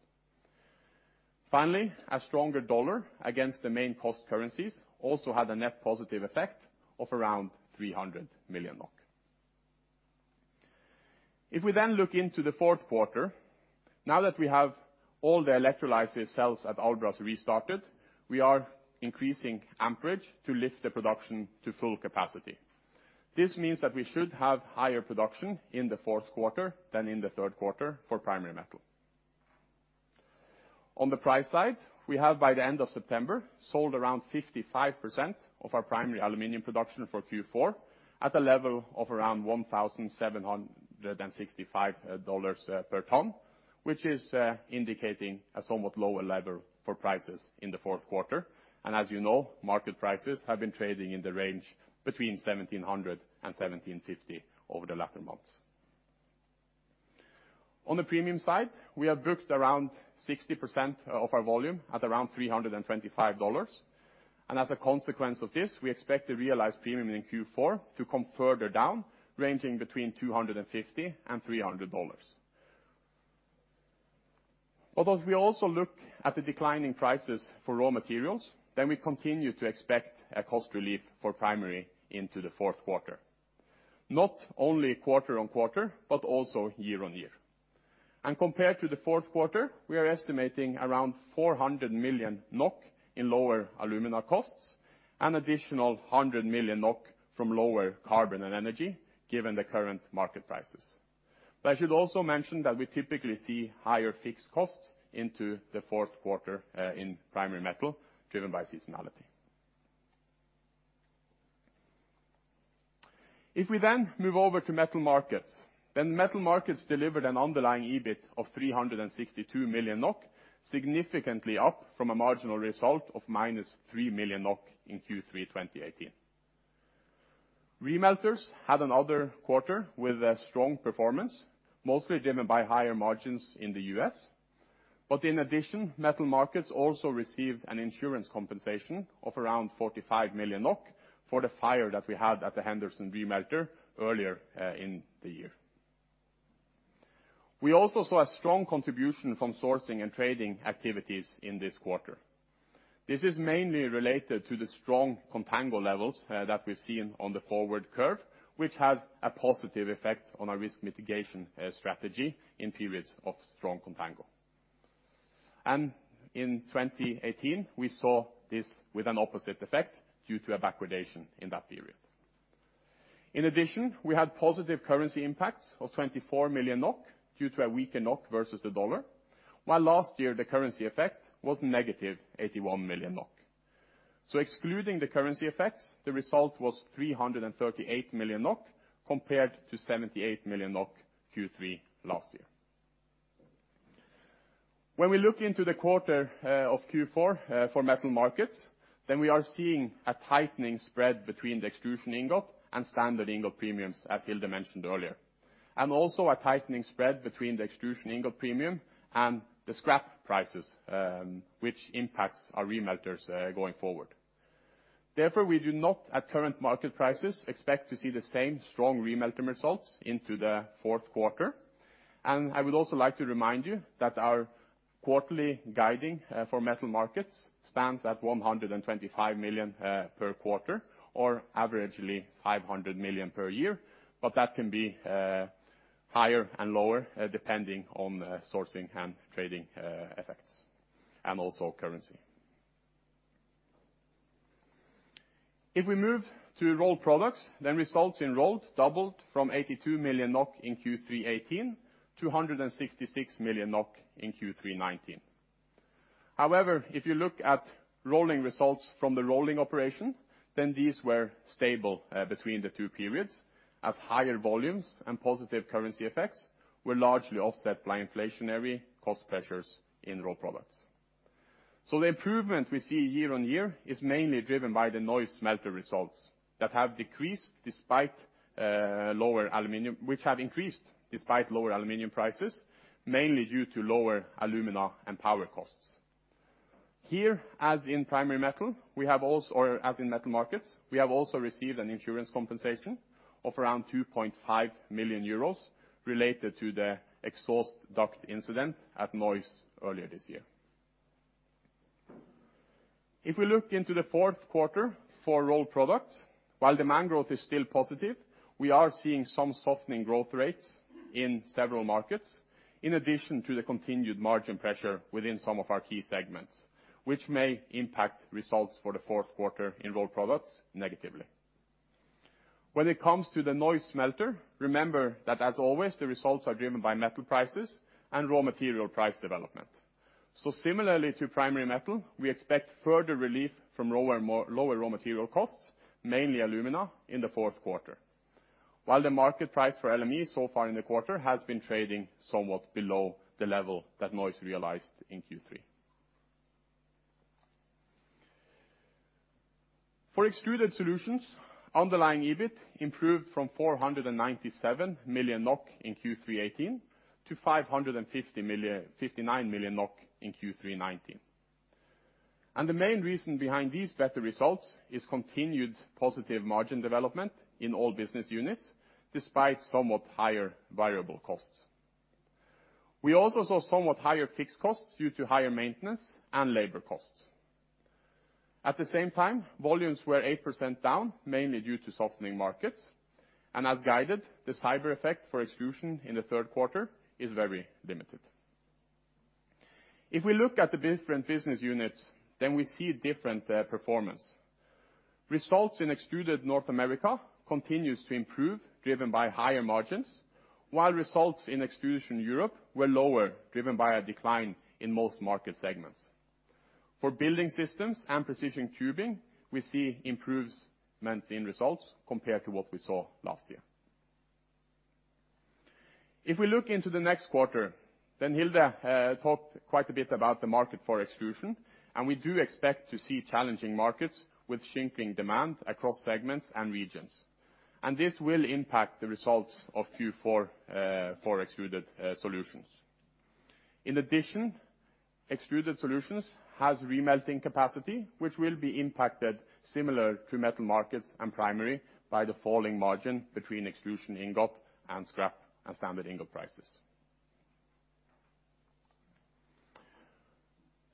Finally, a stronger U.S. dollar against the main cost currencies also had a net positive effect of around 300 million NOK. If we then look into the fourth quarter, now that we have all the electrolysis cells at Albras restarted, we are increasing amperage to lift the production to full capacity. This means that we should have higher production in the fourth quarter than in the third quarter for primary metal. On the price side, we have by the end of September, sold around 55% of our primary aluminum production for Q4 at a level of around $1,765 per ton, which is indicating a somewhat lower level for prices in the fourth quarter. As you know, market prices have been trading in the range between 1,700 and 1,750 over the latter months. On the premium side, we have booked around 60% of our volume at around $325. As a consequence of this, we expect the realized premium in Q4 to come further down, ranging between $250 and $300. We also look at the decline in prices for raw materials, we continue to expect a cost relief for primary into the fourth quarter, not only quarter-over-quarter, but also year-over-year. Compared to the fourth quarter, we are estimating around 400 million NOK in lower alumina costs. An additional 100 million NOK from lower carbon and energy, given the current market prices. I should also mention that we typically see higher fixed costs into the fourth quarter in primary metal, driven by seasonality. If we then move over to metal markets, metal markets delivered an underlying EBIT of 362 million NOK, significantly up from a marginal result of minus 3 million NOK in Q3 2018. Remelters had another quarter with a strong performance, mostly driven by higher margins in the U.S., but in addition, metal markets also received an insurance compensation of around 45 million NOK for the fire that we had at the Henderson Remelter earlier in the year. We saw a strong contribution from sourcing and trading activities in this quarter. This is mainly related to the strong contango levels that we've seen on the forward curve, which has a positive effect on our risk mitigation strategy in periods of strong contango. In 2018, we saw this with an opposite effect due to a backwardation in that period. In addition, we had positive currency impacts of 24 million NOK due to a weaker NOK versus the dollar. Last year, the currency effect was negative 81 million NOK. Excluding the currency effects, the result was 338 million NOK compared to 78 million NOK Q3 last year. When we look into the quarter of Q4 for metal markets, then we are seeing a tightening spread between the extrusion ingot and standard ingot premiums, as Hilde mentioned earlier. Also a tightening spread between the extrusion ingot premium and the scrap prices, which impacts our remelters going forward. Therefore, we do not, at current market prices, expect to see the same strong remelting results into the fourth quarter. I would also like to remind you that our quarterly guiding for metal markets stands at 125 million per quarter, or averagely 500 million per year, but that can be higher and lower, depending on sourcing and trading effects and also currency. If we move to Rolled Products, results in rolled doubled from 82 million NOK in Q3 '18 to 166 million NOK in Q3 '19. However, if you look at rolling results from the rolling operation, these were stable between the two periods, as higher volumes and positive currency effects were largely offset by inflationary cost pressures in Rolled Products. The improvement we see year-on-year is mainly driven by the Neuss smelter results, which have increased despite lower aluminum prices, mainly due to lower alumina and power costs. Here, as in metal markets, we have also received an insurance compensation of around 2.5 million euros related to the exhaust duct incident at Neuss earlier this year. If we look into the fourth quarter for Rolled Products, while demand growth is still positive, we are seeing some softening growth rates in several markets, in addition to the continued margin pressure within some of our key segments, which may impact results for the fourth quarter in Rolled Products negatively. When it comes to the Neuss smelter, remember that, as always, the results are driven by metal prices and raw material price development. Similarly to primary metal, we expect further relief from lower raw material costs, mainly alumina, in the fourth quarter. While the market price for LME so far in the quarter has been trading somewhat below the level that Neuss realized in Q3. For Extruded Solutions, underlying EBIT improved from 497 million NOK in Q3 '18 to 559 million NOK in Q3 '19. The main reason behind these better results is continued positive margin development in all business units, despite somewhat higher variable costs. We also saw somewhat higher fixed costs due to higher maintenance and labor costs. At the same time, volumes were 8% down, mainly due to softening markets. As guided, the cyber effect for Extrusion in the third quarter is very limited. If we look at the different business units, we see different performance. Results in Extrusion North America continue to improve, driven by higher margins, while results in Extrusion Europe were lower, driven by a decline in most market segments. For Building Systems and Precision Tubing, we see improvements in results compared to what we saw last year. If we look into the next quarter, then Hilde talked quite a bit about the market for extrusion, and we do expect to see challenging markets with shrinking demand across segments and regions. This will impact the results of Q4 for Extruded Solutions. In addition, Extruded Solutions has remelting capacity, which will be impacted similar to metal markets and primary by the falling margin between extrusion ingot and scrap and standard ingot prices.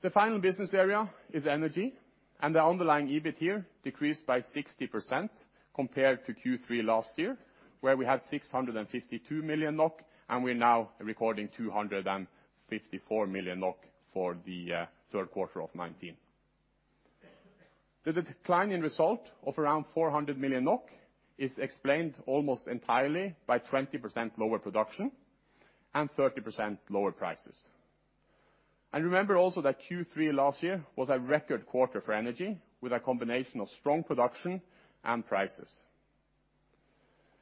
The final business area is energy, and the underlying EBIT here decreased by 60% compared to Q3 last year, where we had 652 million NOK, and we're now recording 254 million NOK for the third quarter of 2019. The decline in result of around 400 million NOK is explained almost entirely by 20% lower production and 30% lower prices. Remember also that Q3 last year was a record quarter for energy, with a combination of strong production and prices.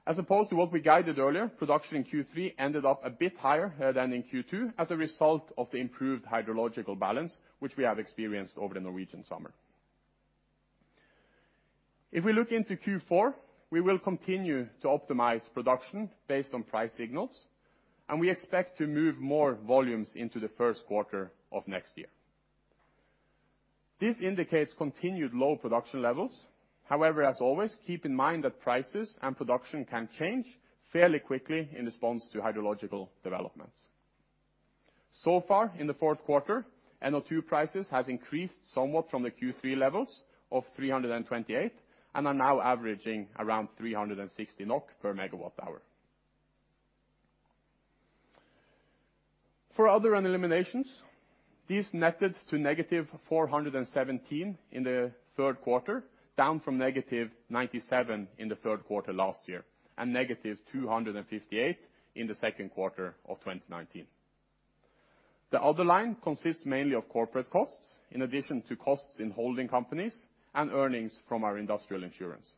As opposed to what we guided earlier, production in Q3 ended up a bit higher than in Q2 as a result of the improved hydrological balance which we have experienced over the Norwegian summer. If we look into Q4, we will continue to optimize production based on price signals, and we expect to move more volumes into the first quarter of next year. This indicates continued low production levels. However, as always, keep in mind that prices and production can change fairly quickly in response to hydrological developments. So far, in the fourth quarter, NO2 prices has increased somewhat from the Q3 levels of 328 and are now averaging around 360 NOK per megawatt hour. For other eliminations, this netted to -417 in the third quarter, down from -97 in the third quarter last year and -258 in the second quarter of 2019. The other line consists mainly of corporate costs in addition to costs in holding companies and earnings from our industrial insurance.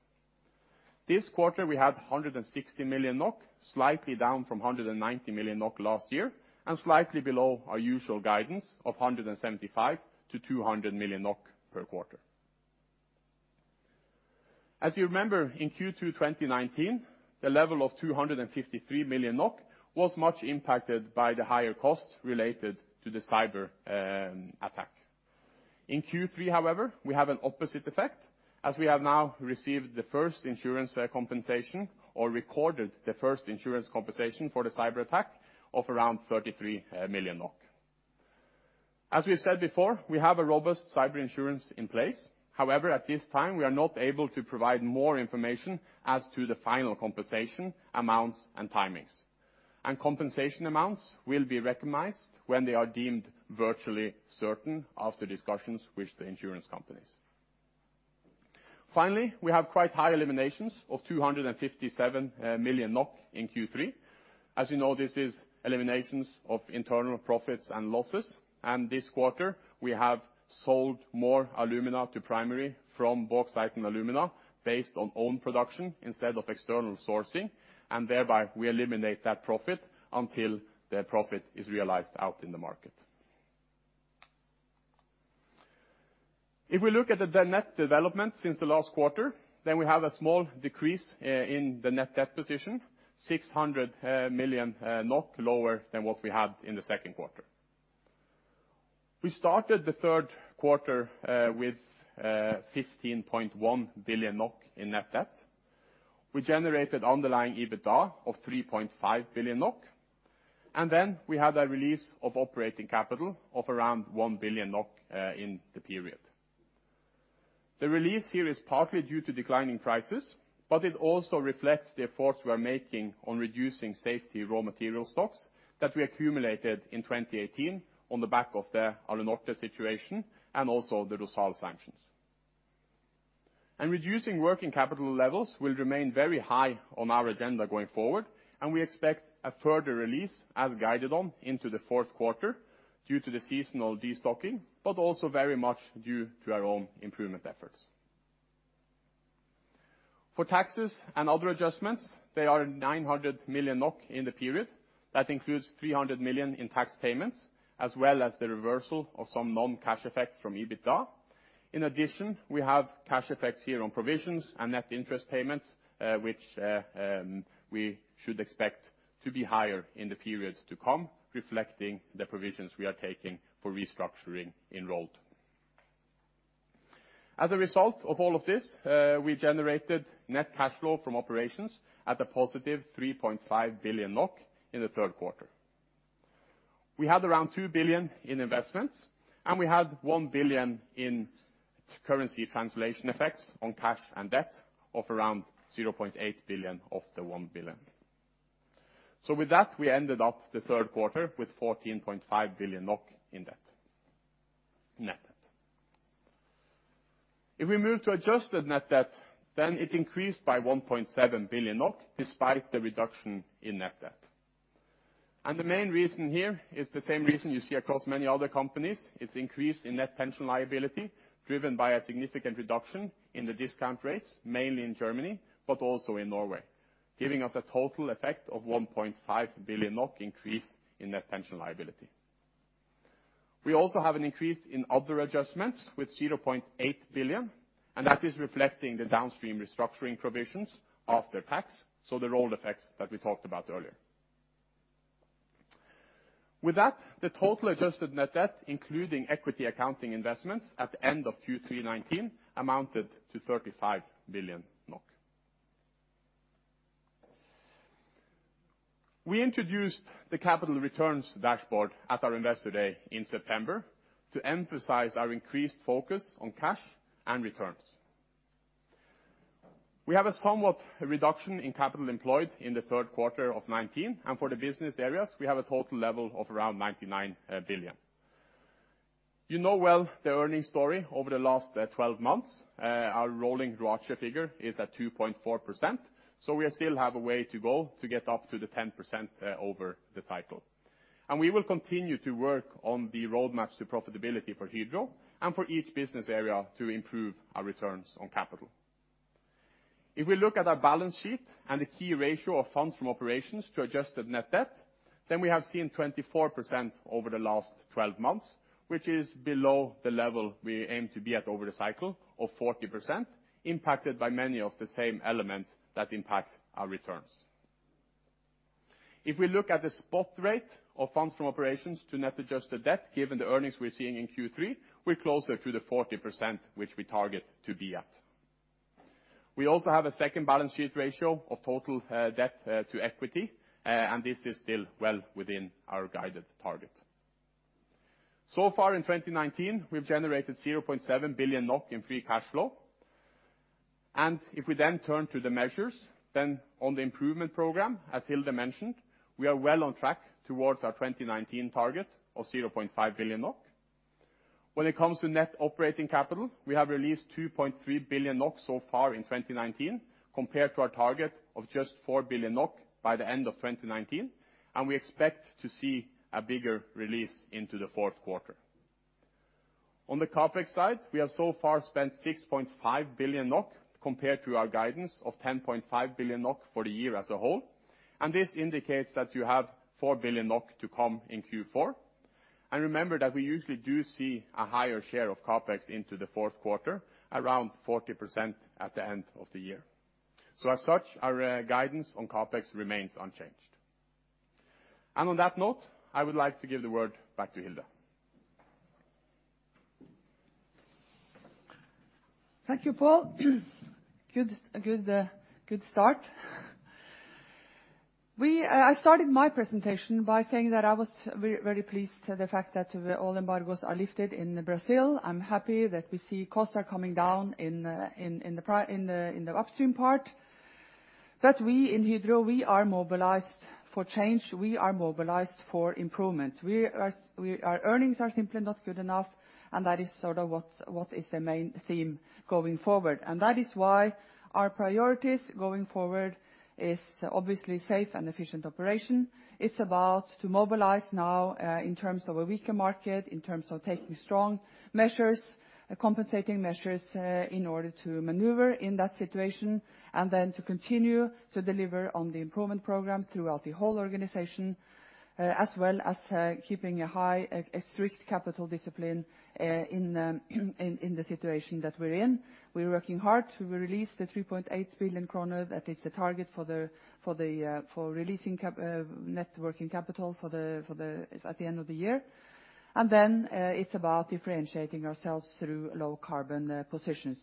This quarter, we had 160 million NOK, slightly down from 190 million NOK last year and slightly below our usual guidance of 175 million-200 million NOK per quarter. As you remember, in Q2 2019, the level of 253 million NOK was much impacted by the higher costs related to the cyber attack. In Q3, however, we have an opposite effect as we have now received the first insurance compensation or recorded the first insurance compensation for the cyber attack of around 33 million NOK. As we've said before, we have a robust cyber insurance in place. However, at this time, we are not able to provide more information as to the final compensation amounts and timings. Compensation amounts will be recognized when they are deemed virtually certain after discussions with the insurance companies. Finally, we have quite high eliminations of 257 million NOK in Q3. As you know, this is eliminations of internal profits and losses, and this quarter we have sold more alumina to primary from bauxite and alumina based on own production instead of external sourcing, and thereby we eliminate that profit until the profit is realized out in the market. If we look at the net development since the last quarter, then we have a small decrease in the net debt position, 600 million NOK lower than what we had in the second quarter. We started the third quarter with 15.1 billion NOK in net debt. We generated underlying EBITDA of 3.5 billion NOK. We had a release of operating capital of around 1 billion NOK in the period. The release here is partly due to declining prices. It also reflects the efforts we are making on reducing safety raw material stocks that we accumulated in 2018 on the back of the Alunorte situation and also the Rusal sanctions. Reducing working capital levels will remain very high on our agenda going forward. We expect a further release as guided on into the fourth quarter due to the seasonal destocking, also very much due to our own improvement efforts. For taxes and other adjustments, they are 900 million NOK in the period. That includes 300 million in tax payments, as well as the reversal of some non-cash effects from EBITDA. We have cash effects here on provisions and net interest payments, which we should expect to be higher in the periods to come, reflecting the provisions we are taking for restructuring in Rolled. We generated net cash flow from operations at a positive 3.5 billion NOK in the third quarter. We had around 2 billion NOK in investments, we had 1 billion NOK in currency translation effects on cash and debt of around 0.8 billion NOK of the 1 billion NOK. With that, we ended up the third quarter with 14.5 billion NOK in net debt. If we move to adjusted net debt, it increased by 1.7 billion NOK despite the reduction in net debt. The main reason here is the same reason you see across many other companies. Its increase in net pension liability driven by a significant reduction in the discount rates, mainly in Germany, but also in Norway, giving us a total effect of 1.5 billion NOK increase in net pension liability. We also have an increase in other adjustments with 0.8 billion, and that is reflecting the downstream restructuring provisions after tax, so the Rolled effects that we talked about earlier. With that, the total adjusted net debt, including equity accounting investments at the end of Q3 2019 amounted to NOK 35 billion. We introduced the capital returns dashboard at our Investor Day in September to emphasize our increased focus on cash and returns. We have a somewhat reduction in capital employed in the third quarter of 2019. For the business areas, we have a total level of around 99 billion. You know well the earning story over the last 12 months. Our rolling ROACE figure is at 2.4%, so we still have a way to go to get up to the 10% over the cycle. We will continue to work on the roadmaps to profitability for Hydro, and for each business area to improve our returns on capital. If we look at our balance sheet and the key ratio of funds from operations to adjusted net debt, then we have seen 24% over the last 12 months, which is below the level we aim to be at over the cycle of 40%, impacted by many of the same elements that impact our returns. If we look at the spot rate of funds from operations to net adjusted debt, given the earnings we're seeing in Q3, we're closer to the 40%, which we target to be at. We also have a second balance sheet ratio of total debt to equity, this is still well within our guided target. Far in 2019, we've generated 0.7 billion NOK in free cash flow. If we then turn to the measures, then on the improvement program, as Hilde mentioned, we are well on track towards our 2019 target of 0.5 billion NOK. When it comes to net operating capital, we have released 2.3 billion NOK so far in 2019, compared to our target of just 4 billion NOK by the end of 2019, and we expect to see a bigger release into the fourth quarter. On the CapEx side, we have so far spent 6.5 billion NOK compared to our guidance of 10.5 billion NOK for the year as a whole, and this indicates that you have 4 billion NOK to come in Q4. Remember that we usually do see a higher share of CapEx into the fourth quarter, around 40% at the end of the year. As such, our guidance on CapEx remains unchanged. On that note, I would like to give the word back to Hilde. Thank you, Pål. Good start. I started my presentation by saying that I was very pleased to the fact that all embargoes are lifted in Brazil. I'm happy that we see costs are coming down in the upstream part, that we in Hydro, we are mobilized for change. We are mobilized for improvement. Our earnings are simply not good enough, that is sort of what is the main theme going forward. That is why our priorities going forward is obviously safe and efficient operation. It's about to mobilize now, in terms of a weaker market, in terms of taking strong measures, compensating measures in order to maneuver in that situation, then to continue to deliver on the improvement program throughout the whole organization, as well as keeping a strict capital discipline in the situation that we're in. We're working hard. We released the 3.8 billion kroner. That is the target for releasing net working capital at the end of the year. Then it's about differentiating ourselves through low carbon positions.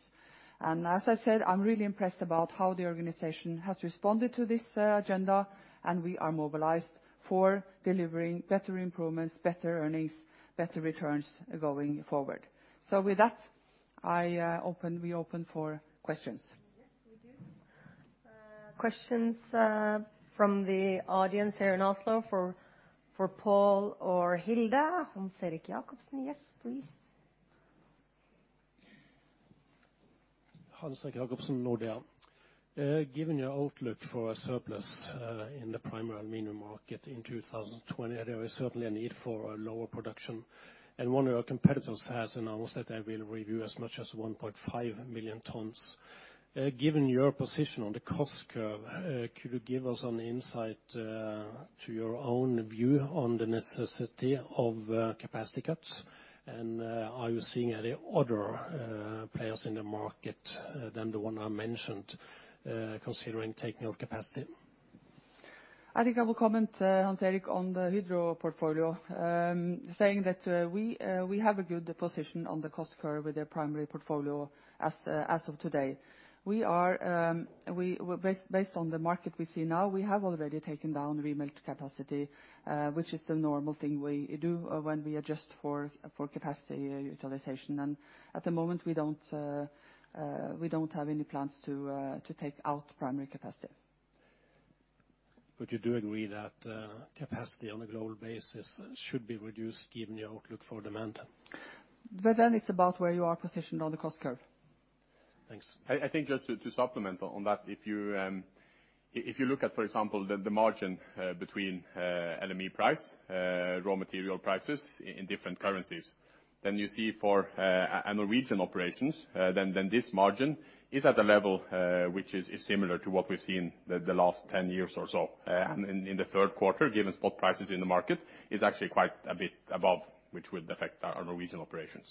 As I said, I'm really impressed about how the organization has responded to this agenda, and we are mobilized for delivering better improvements, better earnings, better returns going forward. With that, we open for questions. Yes, we do. Questions from the audience here in Oslo for Pål or Hilde. Hans-Erik Jacobsen, yes, please. Hans-Erik Jacobsen, Nordea. Given your outlook for surplus in the primary aluminum market in 2020, there is certainly a need for a lower production. One of your competitors has announced that they will review as much as 1.5 million tons. Given your position on the cost curve, could you give us an insight to your own view on the necessity of capacity cuts? Are you seeing any other players in the market than the one I mentioned, considering taking out capacity? I think I will comment, Hans-Erik, on the Hydro portfolio, saying that we have a good position on the cost curve with the primary portfolio as of today. Based on the market we see now, we have already taken down remelt capacity, which is the normal thing we do when we adjust for capacity utilization. At the moment, we don't have any plans to take out primary capacity. You do agree that capacity on a global basis should be reduced given the outlook for demand? It's about where you are positioned on the cost curve. Thanks. I think just to supplement on that, if you look at, for example, the margin between LME price, raw material prices in different currencies, you see for our Norwegian operations, this margin is at a level which is similar to what we've seen the last 10 years or so. In the third quarter, given spot prices in the market, it's actually quite a bit above, which would affect our Norwegian operations.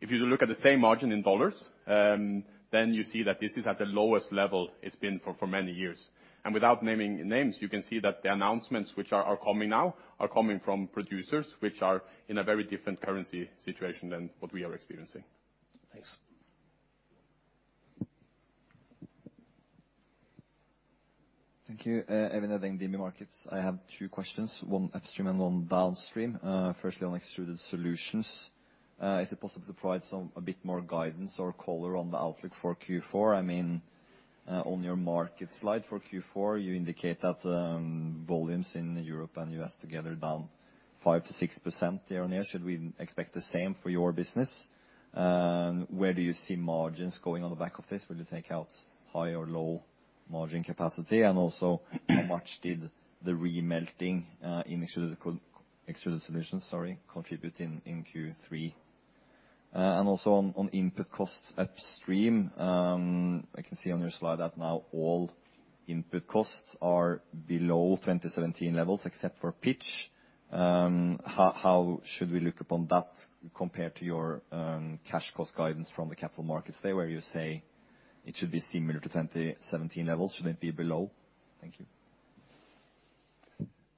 If you look at the same margin in USD, you see that this is at the lowest level it's been for many years. Without naming names, you can see that the announcements which are coming now are coming from producers which are in a very different currency situation than what we are experiencing. Thanks. Thank you. Even Havning, DNB Markets. I have two questions, one upstream and one downstream. Firstly, on Extruded Solutions, is it possible to provide a bit more guidance or color on the outlook for Q4? On your market slide for Q4, you indicate that volumes in Europe and U.S. together are down 5%-6% there. Should we expect the same for your business? Where do you see margins going on the back of this? Will you take out high or low margin capacity? Also, how much did the remelting in Extruded Solutions contribute in Q3? Also on input costs upstream, I can see on your slide that now all input costs are below 2017 levels except for pitch. How should we look upon that compared to your cash cost guidance from the Capital Markets Day, where you say it should be similar to 2017 levels? Should it be below? Thank you.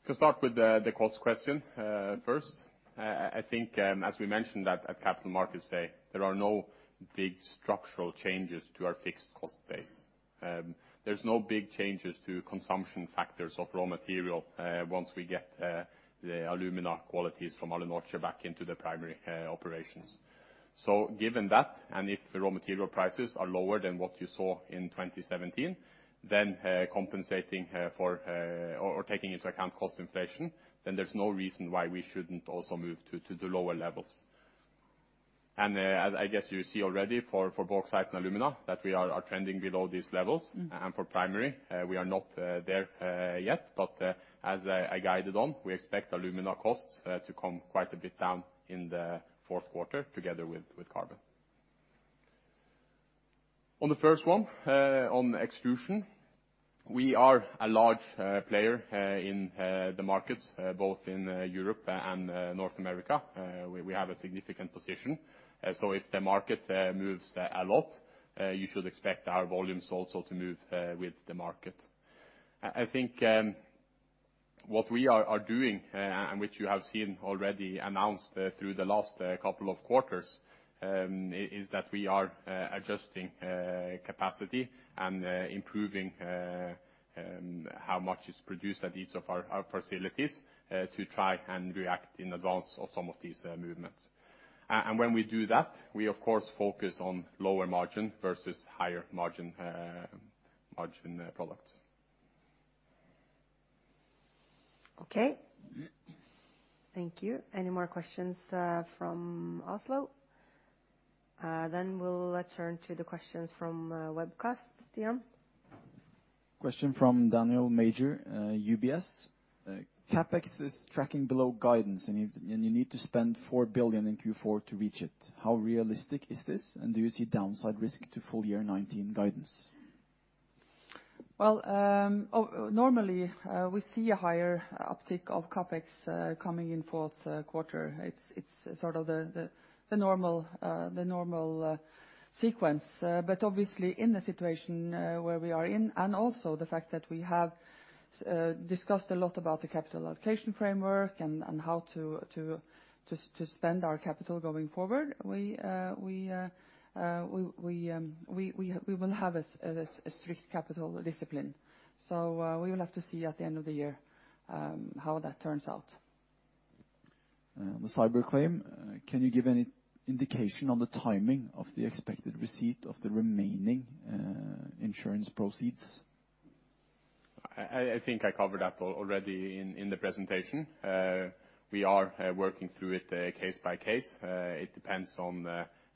To start with the cost question first. I think, as we mentioned at Capital Markets Day, there are no big structural changes to our fixed cost base. There's no big changes to consumption factors of raw material once we get the alumina qualities from Alunorte back into the primary operations. Given that, and if the raw material prices are lower than what you saw in 2017, or taking into account cost inflation, then there's no reason why we shouldn't also move to the lower levels. I guess you see already for bauxite and alumina that we are trending below these levels. For primary, we are not there yet. As I guided on, we expect alumina costs to come quite a bit down in the fourth quarter together with carbon. On the first one, on extrusion, we are a large player in the markets, both in Europe and North America. We have a significant position. If the market moves a lot, you should expect our volumes also to move with the market. I think what we are doing, and which you have seen already announced through the last couple of quarters, is that we are adjusting capacity and improving how much is produced at each of our facilities to try and react in advance of some of these movements. When we do that, we of course focus on lower margin versus higher margin products. Okay. Thank you. Any more questions from Oslo? We'll turn to the questions from webcast. Stian? Question from Daniel Major, UBS. CapEx is tracking below guidance, and you need to spend 4 billion in Q4 to reach it. How realistic is this, and do you see downside risk to full year 2019 guidance? Well, normally, we see a higher uptick of CapEx coming in fourth quarter. It's sort of the normal sequence. Obviously in the situation where we are in, and also the fact that we have discussed a lot about the capital allocation framework and how to spend our capital going forward, we will have a strict capital discipline. We will have to see at the end of the year how that turns out. On the cyber claim, can you give any indication on the timing of the expected receipt of the remaining insurance proceeds? I think I covered that already in the presentation. We are working through it case by case. It depends on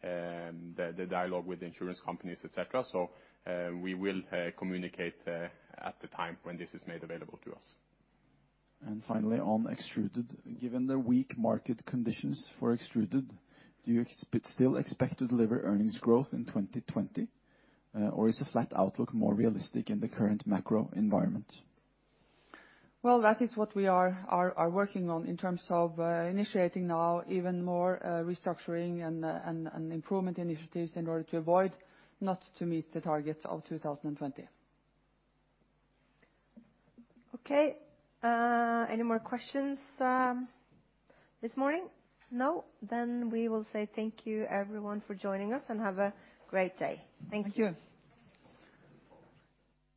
the dialogue with insurance companies, et cetera. We will communicate at the time when this is made available to us. Finally, on Extruded. Given the weak market conditions for Extruded, do you still expect to deliver earnings growth in 2020? Or is a flat outlook more realistic in the current macro environment? Well, that is what we are working on in terms of initiating now even more restructuring and improvement initiatives in order to avoid not to meet the targets of 2020. Okay. Any more questions this morning? No? We will say thank you everyone for joining us, and have a great day. Thank you. Thank you.